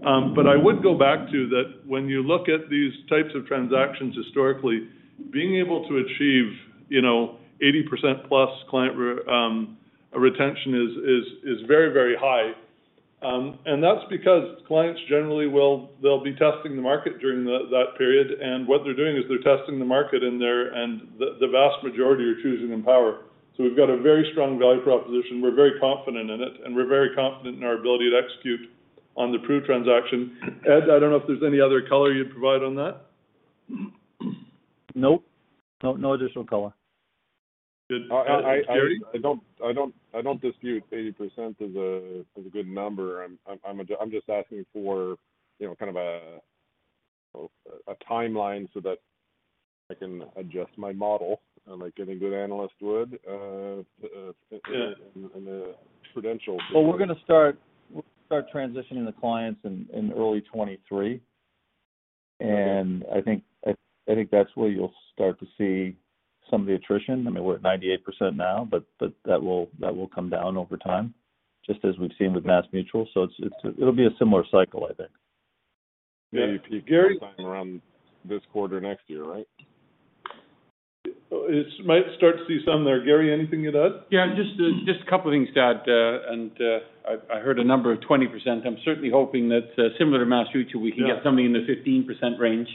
But I would go back to that when you look at these types of transactions historically, being able to achieve, you know, 80%+ client retention is very high. That's because clients generally they'll be testing the market during that period. What they're doing is they're testing the market and the vast majority are choosing Empower. We've got a very strong value proposition. We're very confident in it, and we're very confident in our ability to execute on the Prudential transaction. Ed, I don't know if there's any other color you'd provide on that.
Nope. No, no additional color.
Good. Garry?
I don't dispute 80% is a good number. I'm just asking for, you know, kind of a timeline so that I can adjust my model like any good analyst would and Prudential-
Well, we're gonna start transitioning the clients in early 2023.
Okay.
I think that's where you'll start to see some of the attrition. I mean, we're at 98% now, but that will come down over time, just as we've seen with MassMutual. It'll be a similar cycle, I think.
Yeah. Garry-
Maybe peak sometime around this quarter next year, right?
It might start to see some there. Garry, anything to add?
Yeah, just a couple things to add. I've heard a number of 20%. I'm certainly hoping that similar to MassMutual. We can get something in the 15% range,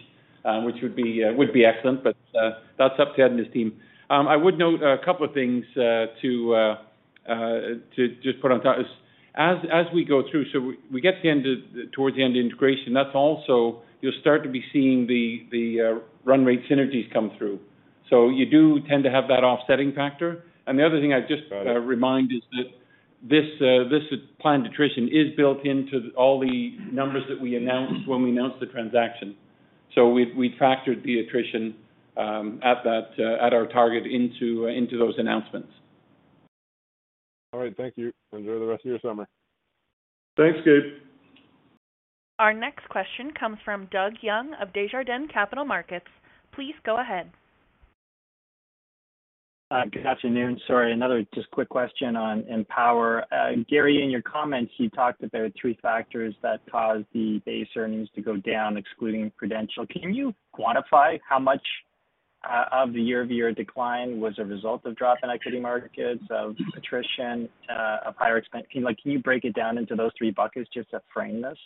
which would be excellent. That's up to Ed and his team. I would note a couple of things to just put on top. As we go through, we get to the end of the—towards the end of the integration, that's also you'll start to be seeing the run rate synergies come through. You do tend to have that offsetting factor. The other thing I'd just-
Got it.
Reminder is that this planned attrition is built into all the numbers that we announced when we announced the transaction. We factored the attrition at our target into those announcements.
All right. Thank you. Enjoy the rest of your summer.
Thanks, Gabe.
Our next question comes from Doug Young of Desjardins Capital Markets. Please go ahead.
Good afternoon. Sorry, another just quick question on Empower. Garry, in your comments, you talked about three factors that caused the base earnings to go down, excluding Prudential. Can you quantify how much of the year-over-year decline was a result of drop in equity markets, of attrition, of higher expense? Can you break it down into those three buckets just to frame this?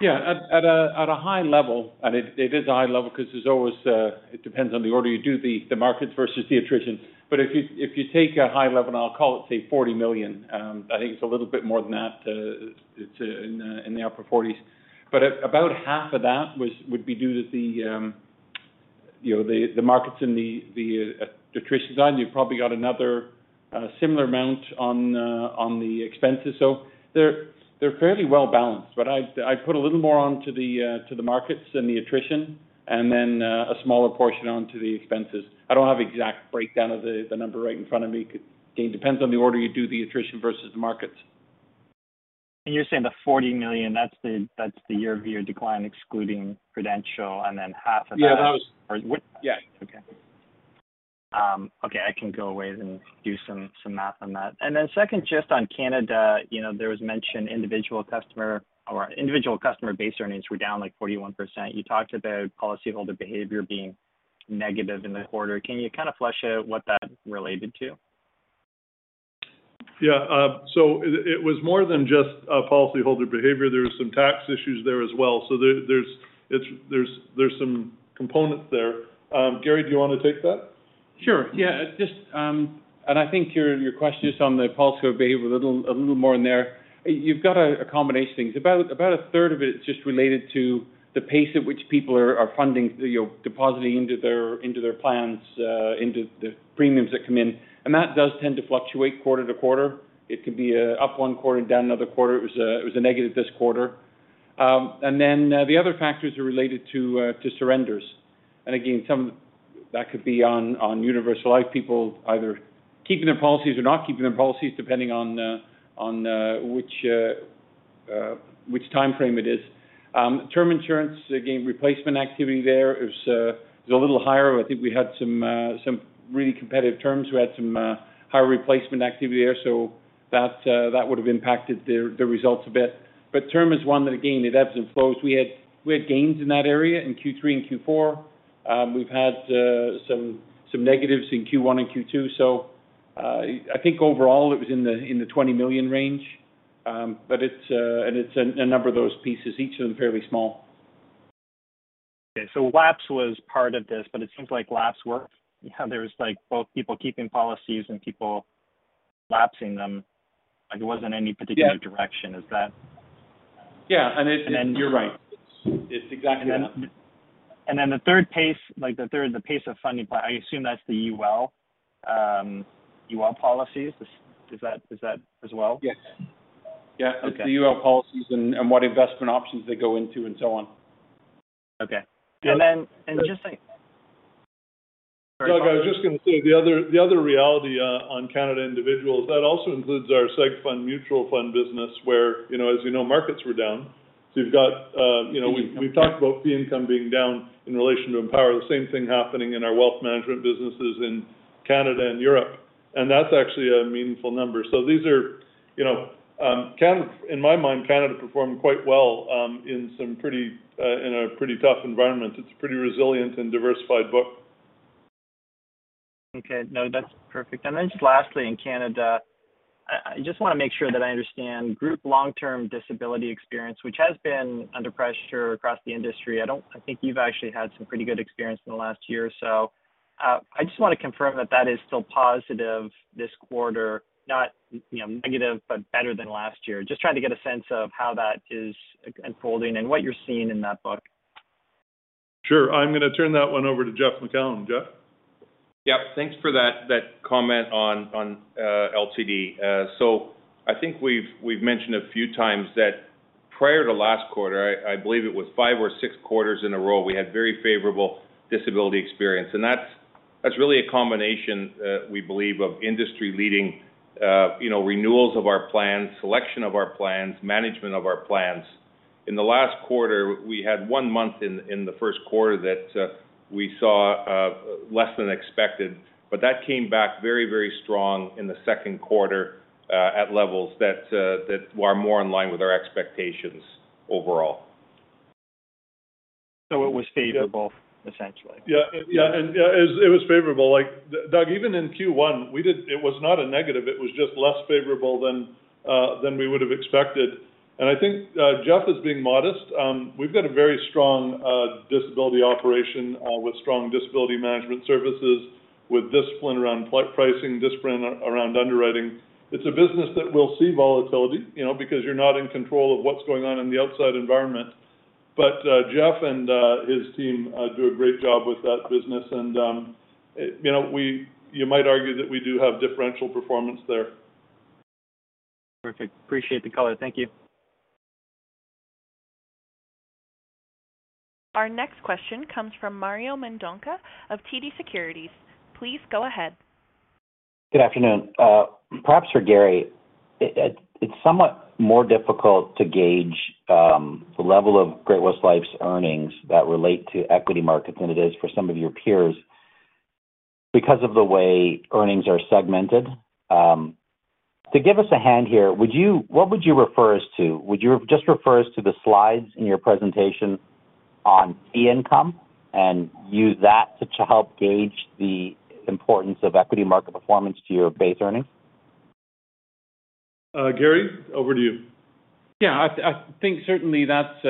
Yeah. At a high level, it is a high level because there's always it depends on the order you do the markets versus the attrition. If you take a high level, I'll call it, say, 40 million. I think it's a little bit more than that. It's in the upper 40s. About half of that would be due to the, you know, the markets and the attrition side. You've probably got another similar amount on the expenses. They're fairly well-balanced, but I'd put a little more onto the markets than the attrition, and then a smaller portion on to the expenses. I don't have exact breakdown of the number right in front of me. Again, it depends on the order you do the attrition versus the markets.
You're saying the 40 million, that's the year-over-year decline, excluding Prudential, and then half of that.
Yeah, those-
Or what-
Yeah.
Okay, I can go away and do some math on that. Then second, just on Canada, you know, there was mention individual customer base earnings were down like 41%. You talked about policyholder behavior being negative in the quarter. Can you kind of flesh out what that related to?
Yeah. It was more than just policyholder behavior. There was some tax issues there as well. There's some components there. Garry, do you want to take that?
Sure. Yeah. Just, I think your question is on the policyholder behavior, a little more in there. You've got a combination of things. About a third of it is just related to the pace at which people are funding, you know, depositing into their plans, into the premiums that come in. That does tend to fluctuate quarter-to-quarter. It could be up one quarter, down another quarter. It was a negative this quarter. Then, the other factors are related to surrenders. Again, some of that could be on universal life. People either keeping their policies or not keeping their policies, depending on which time frame it is. Term insurance, again, replacement activity there is a little higher. I think we had some really competitive terms. We had some higher replacement activity there. That would have impacted the results a bit. Term is one that again, it ebbs and flows. We had gains in that area in Q3 and Q4. We've had some negatives in Q1 and Q2. I think overall it was in the 20 million range. It's a number of those pieces, each of them fairly small.
Okay. Lapse was part of this, but it seems like lapse were. There was like both people keeping policies and people lapsing them. Like there wasn't any particular direction. Is that?
Yeah.
And then-
You're right. It's exactly that.
The third phase of funding, but I assume that's the UL policies. Is that as well?
Yes. Yeah.
Okay.
It's the UL policies and what investment options they go into and so on.
Okay.
Just-
And just like-
Doug, I was just gonna say the other reality on Canada individuals, that also includes our SegFund Mutual Fund business, where, you know, as you know, markets were down. You've got, you know, we've talked about fee income being down in relation to Empower, the same thing happening in our Wealth Management businesses in Canada and Europe. That's actually a meaningful number. These are, you know, Canada. In my mind, Canada performed quite well in a pretty tough environment. It's a pretty resilient and diversified book.
Okay. No, that's perfect. Then just lastly, in Canada, I just wanna make sure that I understand group long-term disability experience, which has been under pressure across the industry. I think you've actually had some pretty good experience in the last year or so. I just wanna confirm that that is still positive this quarter, not, you know, negative, but better than last year. Just trying to get a sense of how that is unfolding and what you're seeing in that book.
Sure. I'm gonna turn that one over to Jeff Macoun. Jeff.
Yeah. Thanks for that comment on LTD. So I think we've mentioned a few times that prior to last quarter, I believe it was five or six quarters in a row, we had very favorable disability experience. That's really a combination, we believe, of industry leading, you know, renewals of our plans, selection of our plans, management of our plans. In the last quarter, we had one month in the first quarter that we saw less than expected, but that came back very, very strong in the second quarter at levels that are more in line with our expectations overall.
It was favorable, essentially?
Yeah. Yeah, it was favorable. Like, Doug, even in Q1, it was not a negative, it was just less favorable than we would have expected. I think Jeff is being modest. We've got a very strong disability operation with strong disability management services, with discipline around pricing, discipline around underwriting. It's a business that will see volatility, you know, because you're not in control of what's going on in the outside environment. Jeff and his team do a great job with that business. You know, you might argue that we do have differential performance there.
Perfect. Appreciate the color. Thank you.
Our next question comes from Mario Mendonca of TD Securities. Please go ahead.
Good afternoon. Perhaps for Garry. It's somewhat more difficult to gauge the level of Great-West Lifeco's earnings that relate to equity markets than it is for some of your peers because of the way earnings are segmented. To give us a hand here, what would you refer us to? Would you just refer us to the slides in your presentation on fee income and use that to help gauge the importance of equity market performance to your base earnings?
Garry, over to you.
Yeah. I think certainly that's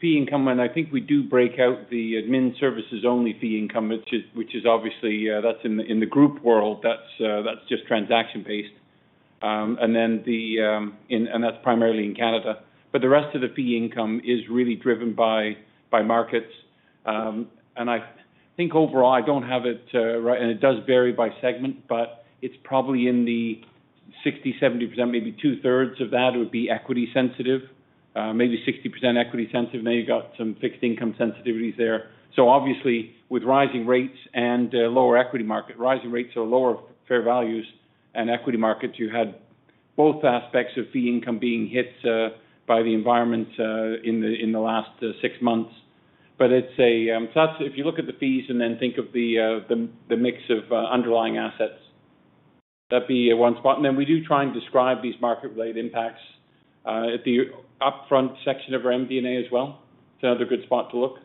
fee income. I think we do break out the admin services only fee income, which is obviously that's in the group world. That's just transaction based. Then that's primarily in Canada. The rest of the fee income is really driven by markets. I think overall, I don't have it, and it does vary by segment, but it's probably in the 60%-70%, maybe two-thirds of that would be equity sensitive, maybe 60% equity sensitive. Now you got some fixed income sensitivities there. Obviously with rising rates and lower equity market, rising rates or lower fair values and equity markets, you had both aspects of fee income being hit by the environment in the last six months. It's a, so that's if you look at the fees and then think of the mix of underlying assets, that'd be one spot. Then we do try and describe these market-related impacts at the upfront section of our MD&A as well. It's another good spot to look.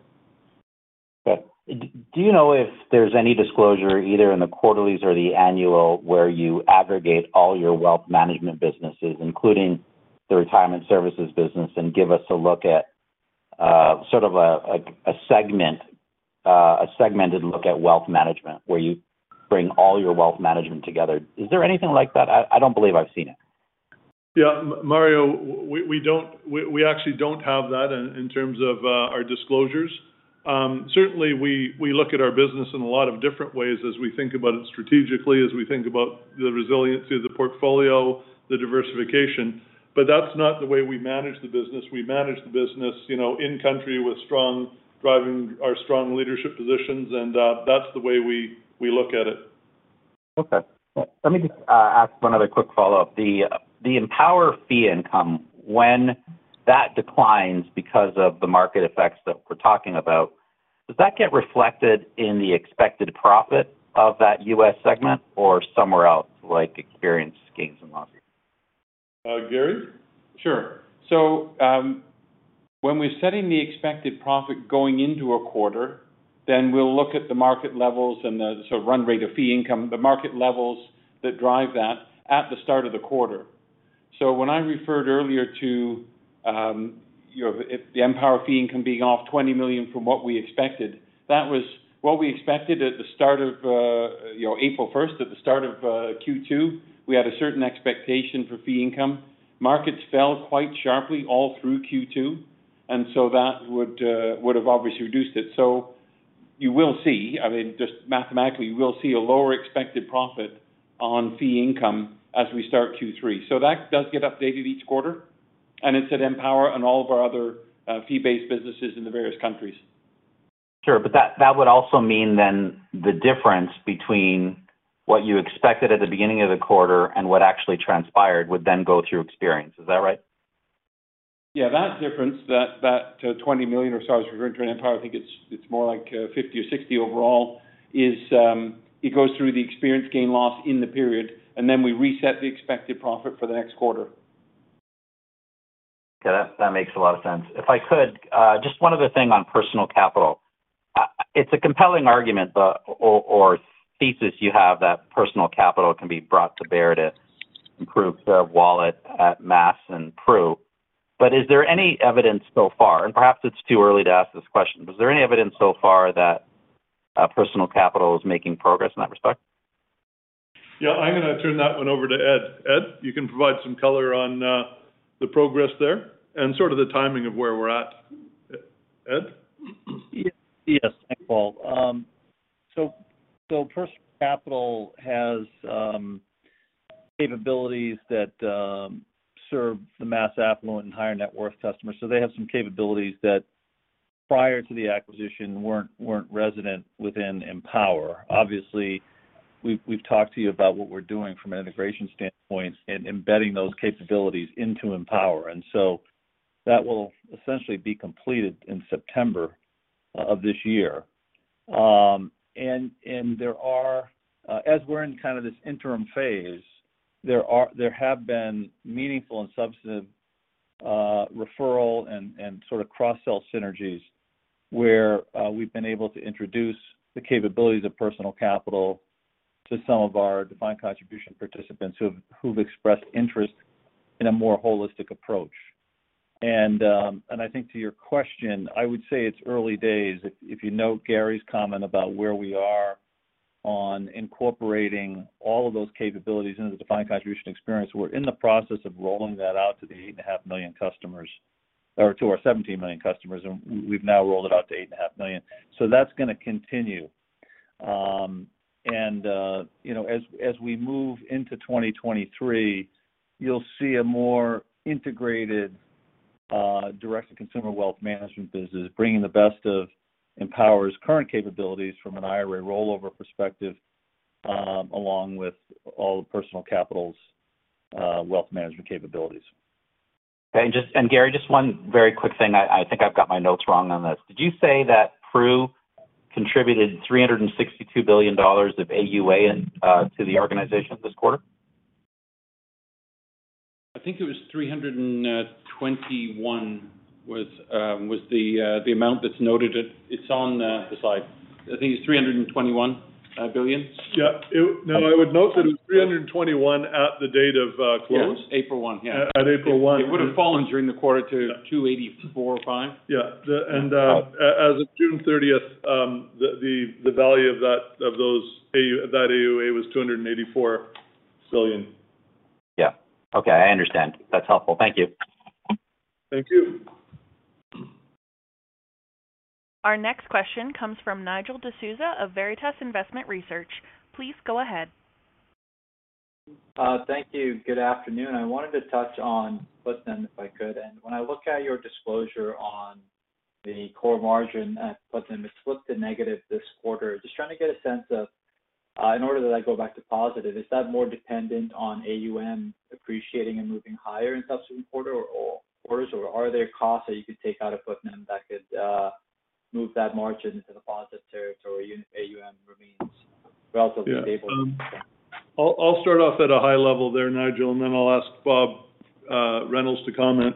Okay. Do you know if there's any disclosure either in the quarterlies or the annual, where you aggregate all your Wealth Management businesses, including the Retirement Services business, and give us a look at sort of a segmented look at wealth management where you bring all your wealth management together? Is there anything like that? I don't believe I've seen it.
Yeah. Mario, we actually don't have that in terms of our disclosures. Certainly we look at our business in a lot of different ways as we think about it strategically, as we think about the resiliency of the portfolio, the diversification. That's not the way we manage the business. We manage the business, you know, in country with strong driving our strong leadership positions, and that's the way we look at it.
Okay. Let me just ask one other quick follow-up. The Empower fee income, when that declines because of the market effects that we're talking about, does that get reflected in the expected profit of that U.S. segment or somewhere else, like experienced gains and losses?
Garry?
Sure. When we're setting the expected profit going into a quarter, then we'll look at the market levels and the sort of run rate of fee income, the market levels that drive that at the start of the quarter. When I referred earlier to the Empower fee income being off $20 million from what we expected, that was what we expected at the start of April 1, at the start of Q2, we had a certain expectation for fee income. Markets fell quite sharply all through Q2, and so that would have obviously reduced it. You will see, I mean, just mathematically, you will see a lower expected profit on fee income as we start Q3. That does get updated each quarter, and it's at Empower and all of our other, fee-based businesses in the various countries.
Sure. That would also mean then the difference between what you expected at the beginning of the quarter and what actually transpired would then go through experience. Is that right?
That difference, $20 million or so is referring to Empower. I think it's more like 50 or 60 overall. It goes through the experience gains and losses in the period, and then we reset the expected profit for the next quarter.
Okay. That makes a lot of sense. If I could just one other thing on Personal Capital. It's a compelling argument, or thesis you have that Personal Capital can be brought to bear to improve the wallet at MassMutual and Prudential. Is there any evidence so far, and perhaps it's too early to ask this question. Is there any evidence so far that Personal Capital is making progress in that respect?
Yeah. I'm gonna turn that one over to Ed. Ed, you can provide some color on the progress there and sort of the timing of where we're at. Ed?
Yes. Thanks, Paul. Personal Capital has capabilities that serve the mass affluent and higher net worth customers. They have some capabilities that prior to the acquisition weren't resident within Empower. Obviously, we've talked to you about what we're doing from an integration standpoint and embedding those capabilities into Empower. That will essentially be completed in September of this year. As we're in kind of this interim phase, there have been meaningful and substantive referral and sort of cross-sell synergies where we've been able to introduce the capabilities of Personal Capital to some of our defined contribution participants who've expressed interest in a more holistic approach. I think to your question, I would say it's early days. If you note Garry's comment about where we are on incorporating all of those capabilities into the defined contribution experience, we're in the process of rolling that out to the 8.5 million customers or to our 17 million customers, and we've now rolled it out to 8.5 million. That's gonna continue. You know, as we move into 2023, you'll see a more integrated Direct-to-Consumer Wealth Management business, bringing the best of Empower's current capabilities from an IRA rollover perspective, along with all of Personal Capital's wealth management capabilities.
Garry, just one very quick thing. I think I've got my notes wrong on this. Did you say that Pru contributed $362 billion of AUA to the organization this quarter?
It's on the slide. I think it's 321 billion. No, I would note that it was 321 at the date of close.
Yeah, it was April 1. Yeah.
At April 1.
It would have fallen during the quarter 284 or 5.
As of June 30, the value of those AUA was 284 billion.
Yeah. Okay, I understand. That's helpful. Thank you.
Thank you.
Our next question comes from Nigel D'Souza of Veritas Investment Research. Please go ahead.
Thank you. Good afternoon. I wanted to touch on Putnam, if I could. When I look at your disclosure on the core margin at Putnam, it flipped to negative this quarter. Just trying to get a sense of, in order that I go back to positive, is that more dependent on AUM appreciating and moving higher in subsequent quarter or quarters? Or are there costs that you could take out of Putnam that could move that margin into the positive territory if AUM remains relatively stable?
I'll start off at a high level there, Nigel, and then I'll ask Bob Reynolds to comment.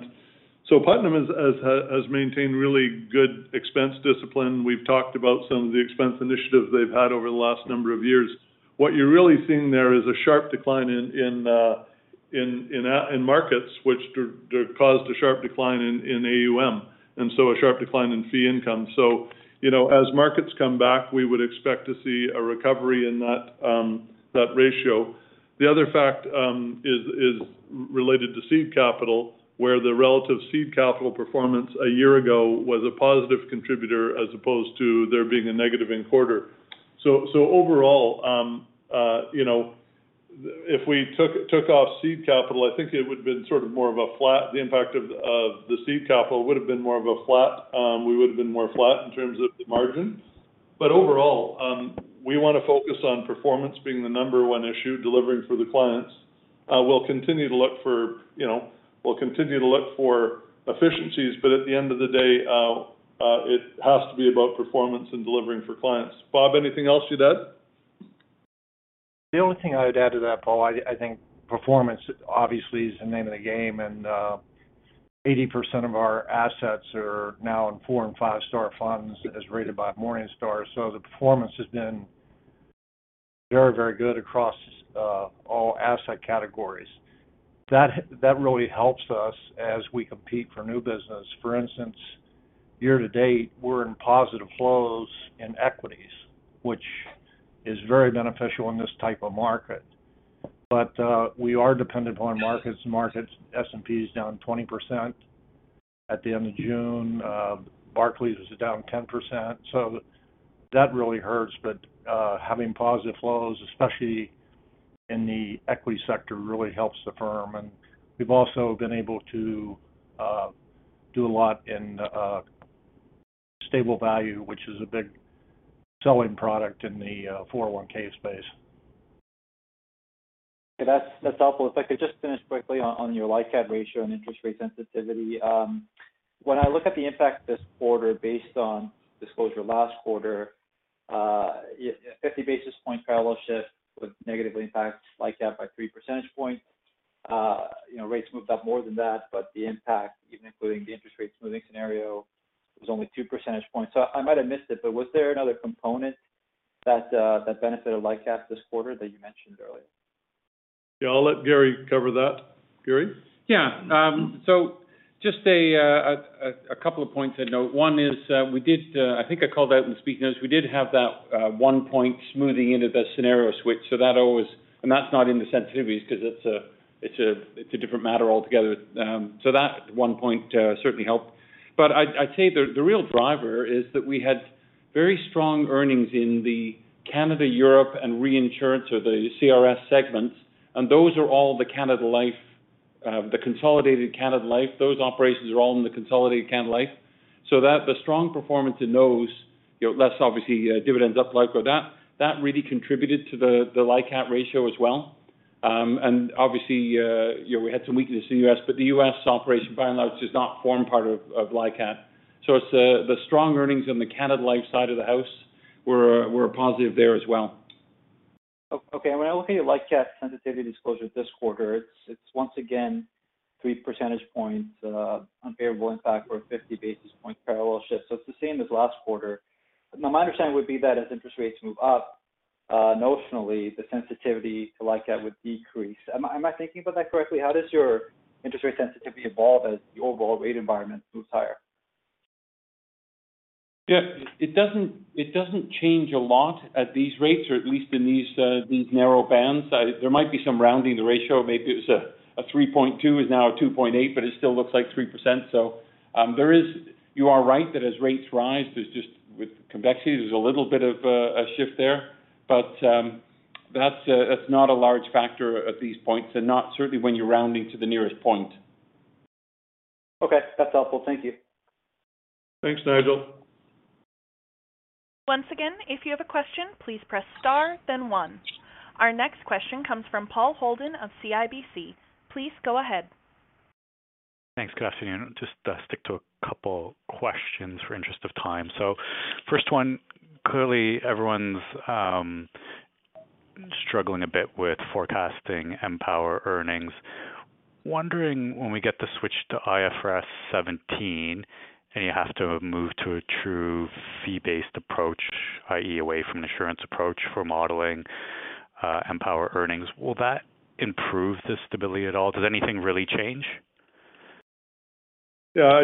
Putnam has maintained really good expense discipline. We've talked about some of the expense initiatives they've had over the last number of years. What you're really seeing there is a sharp decline in markets caused a sharp decline in AUM, and so a sharp decline in fee income. You know, as markets come back, we would expect to see a recovery in that ratio. The other fact is related to seed capital, where the relative seed capital performance a year ago was a positive contributor as opposed to there being a negative in quarter. Overall, if we took off seed capital, I think it would have been more of a flat. The impact of the seed capital would have been more of a flat. We would have been more flat in terms of the margin. Overall, we wanna focus on performance being the number one issue, delivering for the clients. We'll continue to look for efficiencies, but at the end of the day, it has to be about performance and delivering for clients. Bob, anything else you'd add?
The only thing I would add to that, Paul, I think performance obviously is the name of the game. Eighty percent of our assets are now in 4- and 5-star funds as rated by Morningstar. The performance has been very, very good across all asset categories. That really helps us as we compete for new business. For instance, year-to-date, we're in positive flows in equities, which is very beneficial in this type of market. We are dependent upon markets. Markets. S&P is down 20% at the end of June. Barclays is down 10%. That really hurts. Having positive flows, especially
In the equity sector really helps the firm. We've also been able to do a lot in stable value, which is a big selling product in the 401(k) space.
That's helpful. If I could just finish quickly on your LICAT ratio and interest rate sensitivity. When I look at the impact this quarter based on disclosure last quarter, a 50 basis point parallel shift would negatively impact LICAT by 3 percentage points. You know, rates moved up more than that, but the impact, even including the interest rate smoothing scenario, was only 2 percentage points. I might have missed it, but was there another component that benefited LICAT this quarter that you mentioned earlier?
Yeah, I'll let Garry cover that. Garry?
Yeah. Just a couple of points I'd note. One is, I think I called out in the speech notes we did have that one point smoothing into the scenario switch. That's not in the sensitivities 'cause it's a different matter altogether. That one point certainly helped. I'd say the real driver is that we had very strong earnings in the Canada, Europe and reinsurance or the CRS segments, and those are all the Canada Life, the consolidated Canada Life. Those operations are all in the consolidated Canada Life. The strong performance in those, you know, less obviously, dividends up Lifeco, that really contributed to the LICAT ratio as well. Obviously, you know, we had some weakness in U.S., but the U.S. operation by and large does not form part of LICAT. It's the strong earnings on the Canada Life side of the house were a positive there as well.
Okay. When I look at your LICAT sensitivity disclosure this quarter, it's once again 3 percentage points unfavorable impact or a 50 basis points parallel shift. It's the same as last quarter. Now my understanding would be that as interest rates move up, notionally, the sensitivity to LICAT would decrease. Am I thinking about that correctly? How does your interest rate sensitivity evolve as the overall rate environment moves higher?
Yeah. It doesn't change a lot at these rates, or at least in these narrow bands. There might be some rounding the ratio. Maybe it was a 3.2 is now a 2.8, but it still looks like 3%. You are right that as rates rise, there's just with convexity, there's a little bit of a shift there. That's not a large factor at these points and certainly not when you're rounding to the nearest point.
Okay. That's helpful. Thank you.
Thanks, Nigel.
Once again, if you have a question, please press star then one. Our next question comes from Paul Holden of CIBC. Please go ahead.
Thanks. Good afternoon. Just stick to a couple questions in the interest of time. First one, clearly everyone's struggling a bit with forecasting Empower earnings. Wondering when we get the switch to IFRS 17 and you have to move to a true fee-based approach, i.e., away from insurance approach for modeling Empower earnings, will that improve the stability at all? Does anything really change?
Yeah,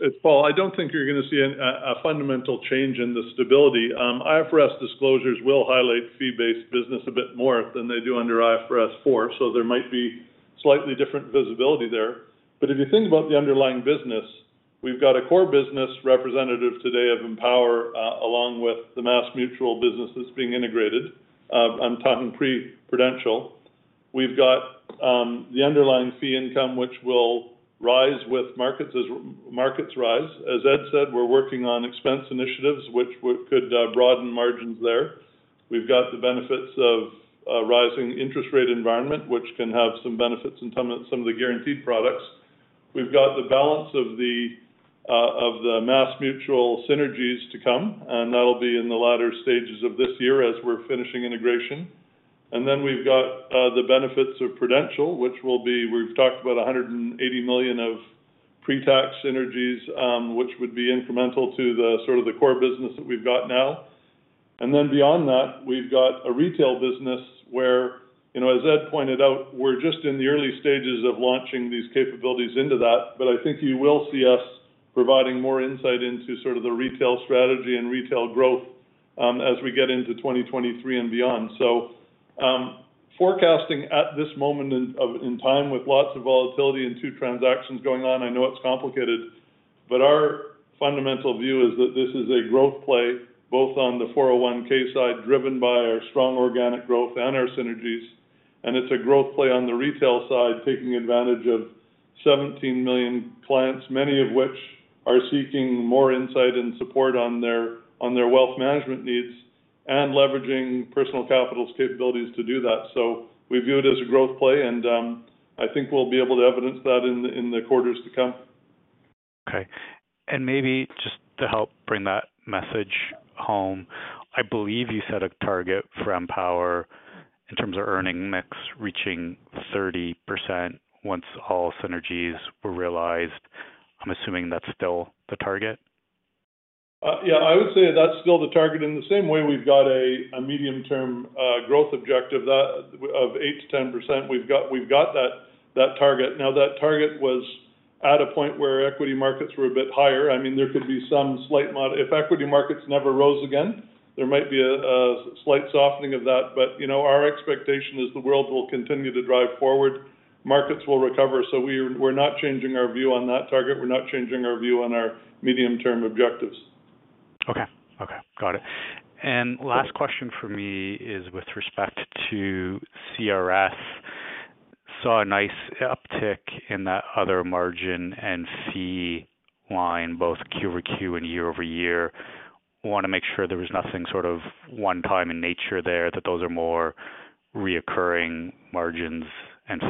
it's Paul, I don't think you're gonna see a fundamental change in the stability. IFRS disclosures will highlight fee-based business a bit more than they do under IFRS 4, so there might be slightly different visibility there. If you think about the underlying business, we've got a core business represented today by Empower, along with the MassMutual business that's being integrated. I'm talking pre-Prudential. We've got the underlying fee income, which will rise with markets as markets rise. As Ed said, we're working on expense initiatives, which could broaden margins there. We've got the benefits of a rising interest rate environment, which can have some benefits in some of the guaranteed products. We've got the balance of the MassMutual synergies to come, and that'll be in the latter stages of this year as we're finishing integration. Then we've got the benefits of Prudential, which will be, we've talked about $180 million of pre-tax synergies, which would be incremental to the sort of core business that we've got now. Then beyond that, we've got a Retail business where, you know, as Ed pointed out, we're just in the early stages of launching these capabilities into that. I think you will see us providing more insight into sort of the retail strategy and retail growth as we get into 2023 and beyond. Forecasting at this moment in time with lots of volatility and two transactions going on, I know it's complicated, but our fundamental view is that this is a growth play both on the 401(k) side, driven by our strong organic growth and our synergies. It's a growth play on the retail side, taking advantage of 17 million clients, many of which are seeking more insight and support on their wealth management needs, and leveraging Personal Capital's capabilities to do that. We view it as a growth play, and I think we'll be able to evidence that in the quarters to come.
Okay. Maybe just to help bring that message home, I believe you set a target for Empower in terms of earnings mix reaching 30% once all synergies were realized. I'm assuming that's still the target.
Yeah, I would say that's still the target. In the same way we've got a medium-term growth objective of 8%-10%, we've got that target. Now that target was at a point where equity markets were a bit higher. I mean, there could be some slight. If equity markets never rose again, there might be a slight softening of that. You know, our expectation is the world will continue to drive forward. Markets will recover. We're not changing our view on that target. We're not changing our view on our medium-term objectives.
Okay. Okay, got it. Last question for me is with respect to CRS. Saw a nice uptick in that other margin and fee line both Q-over-Q and year-over-year. Wanna make sure there was nothing sort of one-time in nature there, that those are more recurring margins and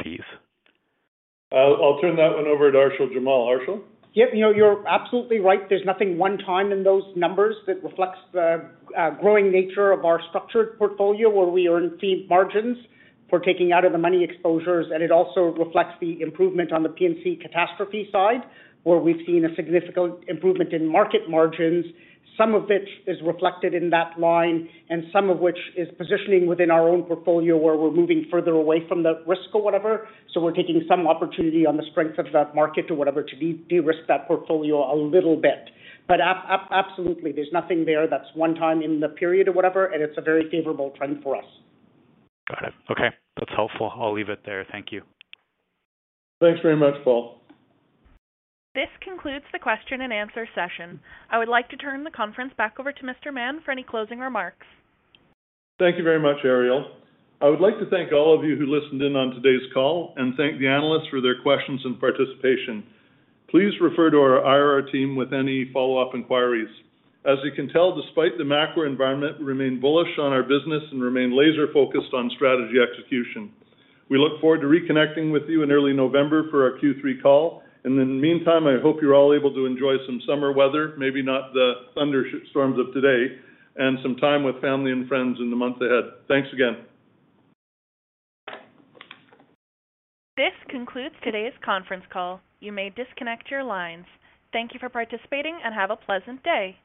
fees.
I'll turn that one over to Arshil Jamal. Arshil?
Yeah. You know, you're absolutely right. There's nothing one time in those numbers that reflects the growing nature of our structured portfolio where we earn fee margins for taking out of the money exposures. It also reflects the improvement on the P&C catastrophe side, where we've seen a significant improvement in market margins, some of which is reflected in that line and some of which is positioning within our own portfolio where we're moving further away from the risk or whatever. We're taking some opportunity on the strength of that market or whatever to de-risk that portfolio a little bit. Absolutely, there's nothing there that's one time in the period or whatever, and it's a very favorable trend for us.
Got it. Okay. That's helpful. I'll leave it there. Thank you.
Thanks very much, Paul.
This concludes the question and answer session. I would like to turn the conference back over to Mr. Mahon for any closing remarks.
Thank you very much, Ariel. I would like to thank all of you who listened in on today's call and thank the analysts for their questions and participation. Please refer to our IR team with any follow-up inquiries. As you can tell, despite the macro environment, we remain bullish on our business and remain laser-focused on strategy execution. We look forward to reconnecting with you in early November for our Q3 call. In the meantime, I hope you're all able to enjoy some summer weather, maybe not the thunderstorms of today, and some time with family and friends in the months ahead. Thanks again.
This concludes today's conference call. You may disconnect your lines. Thank you for participating and have a pleasant day.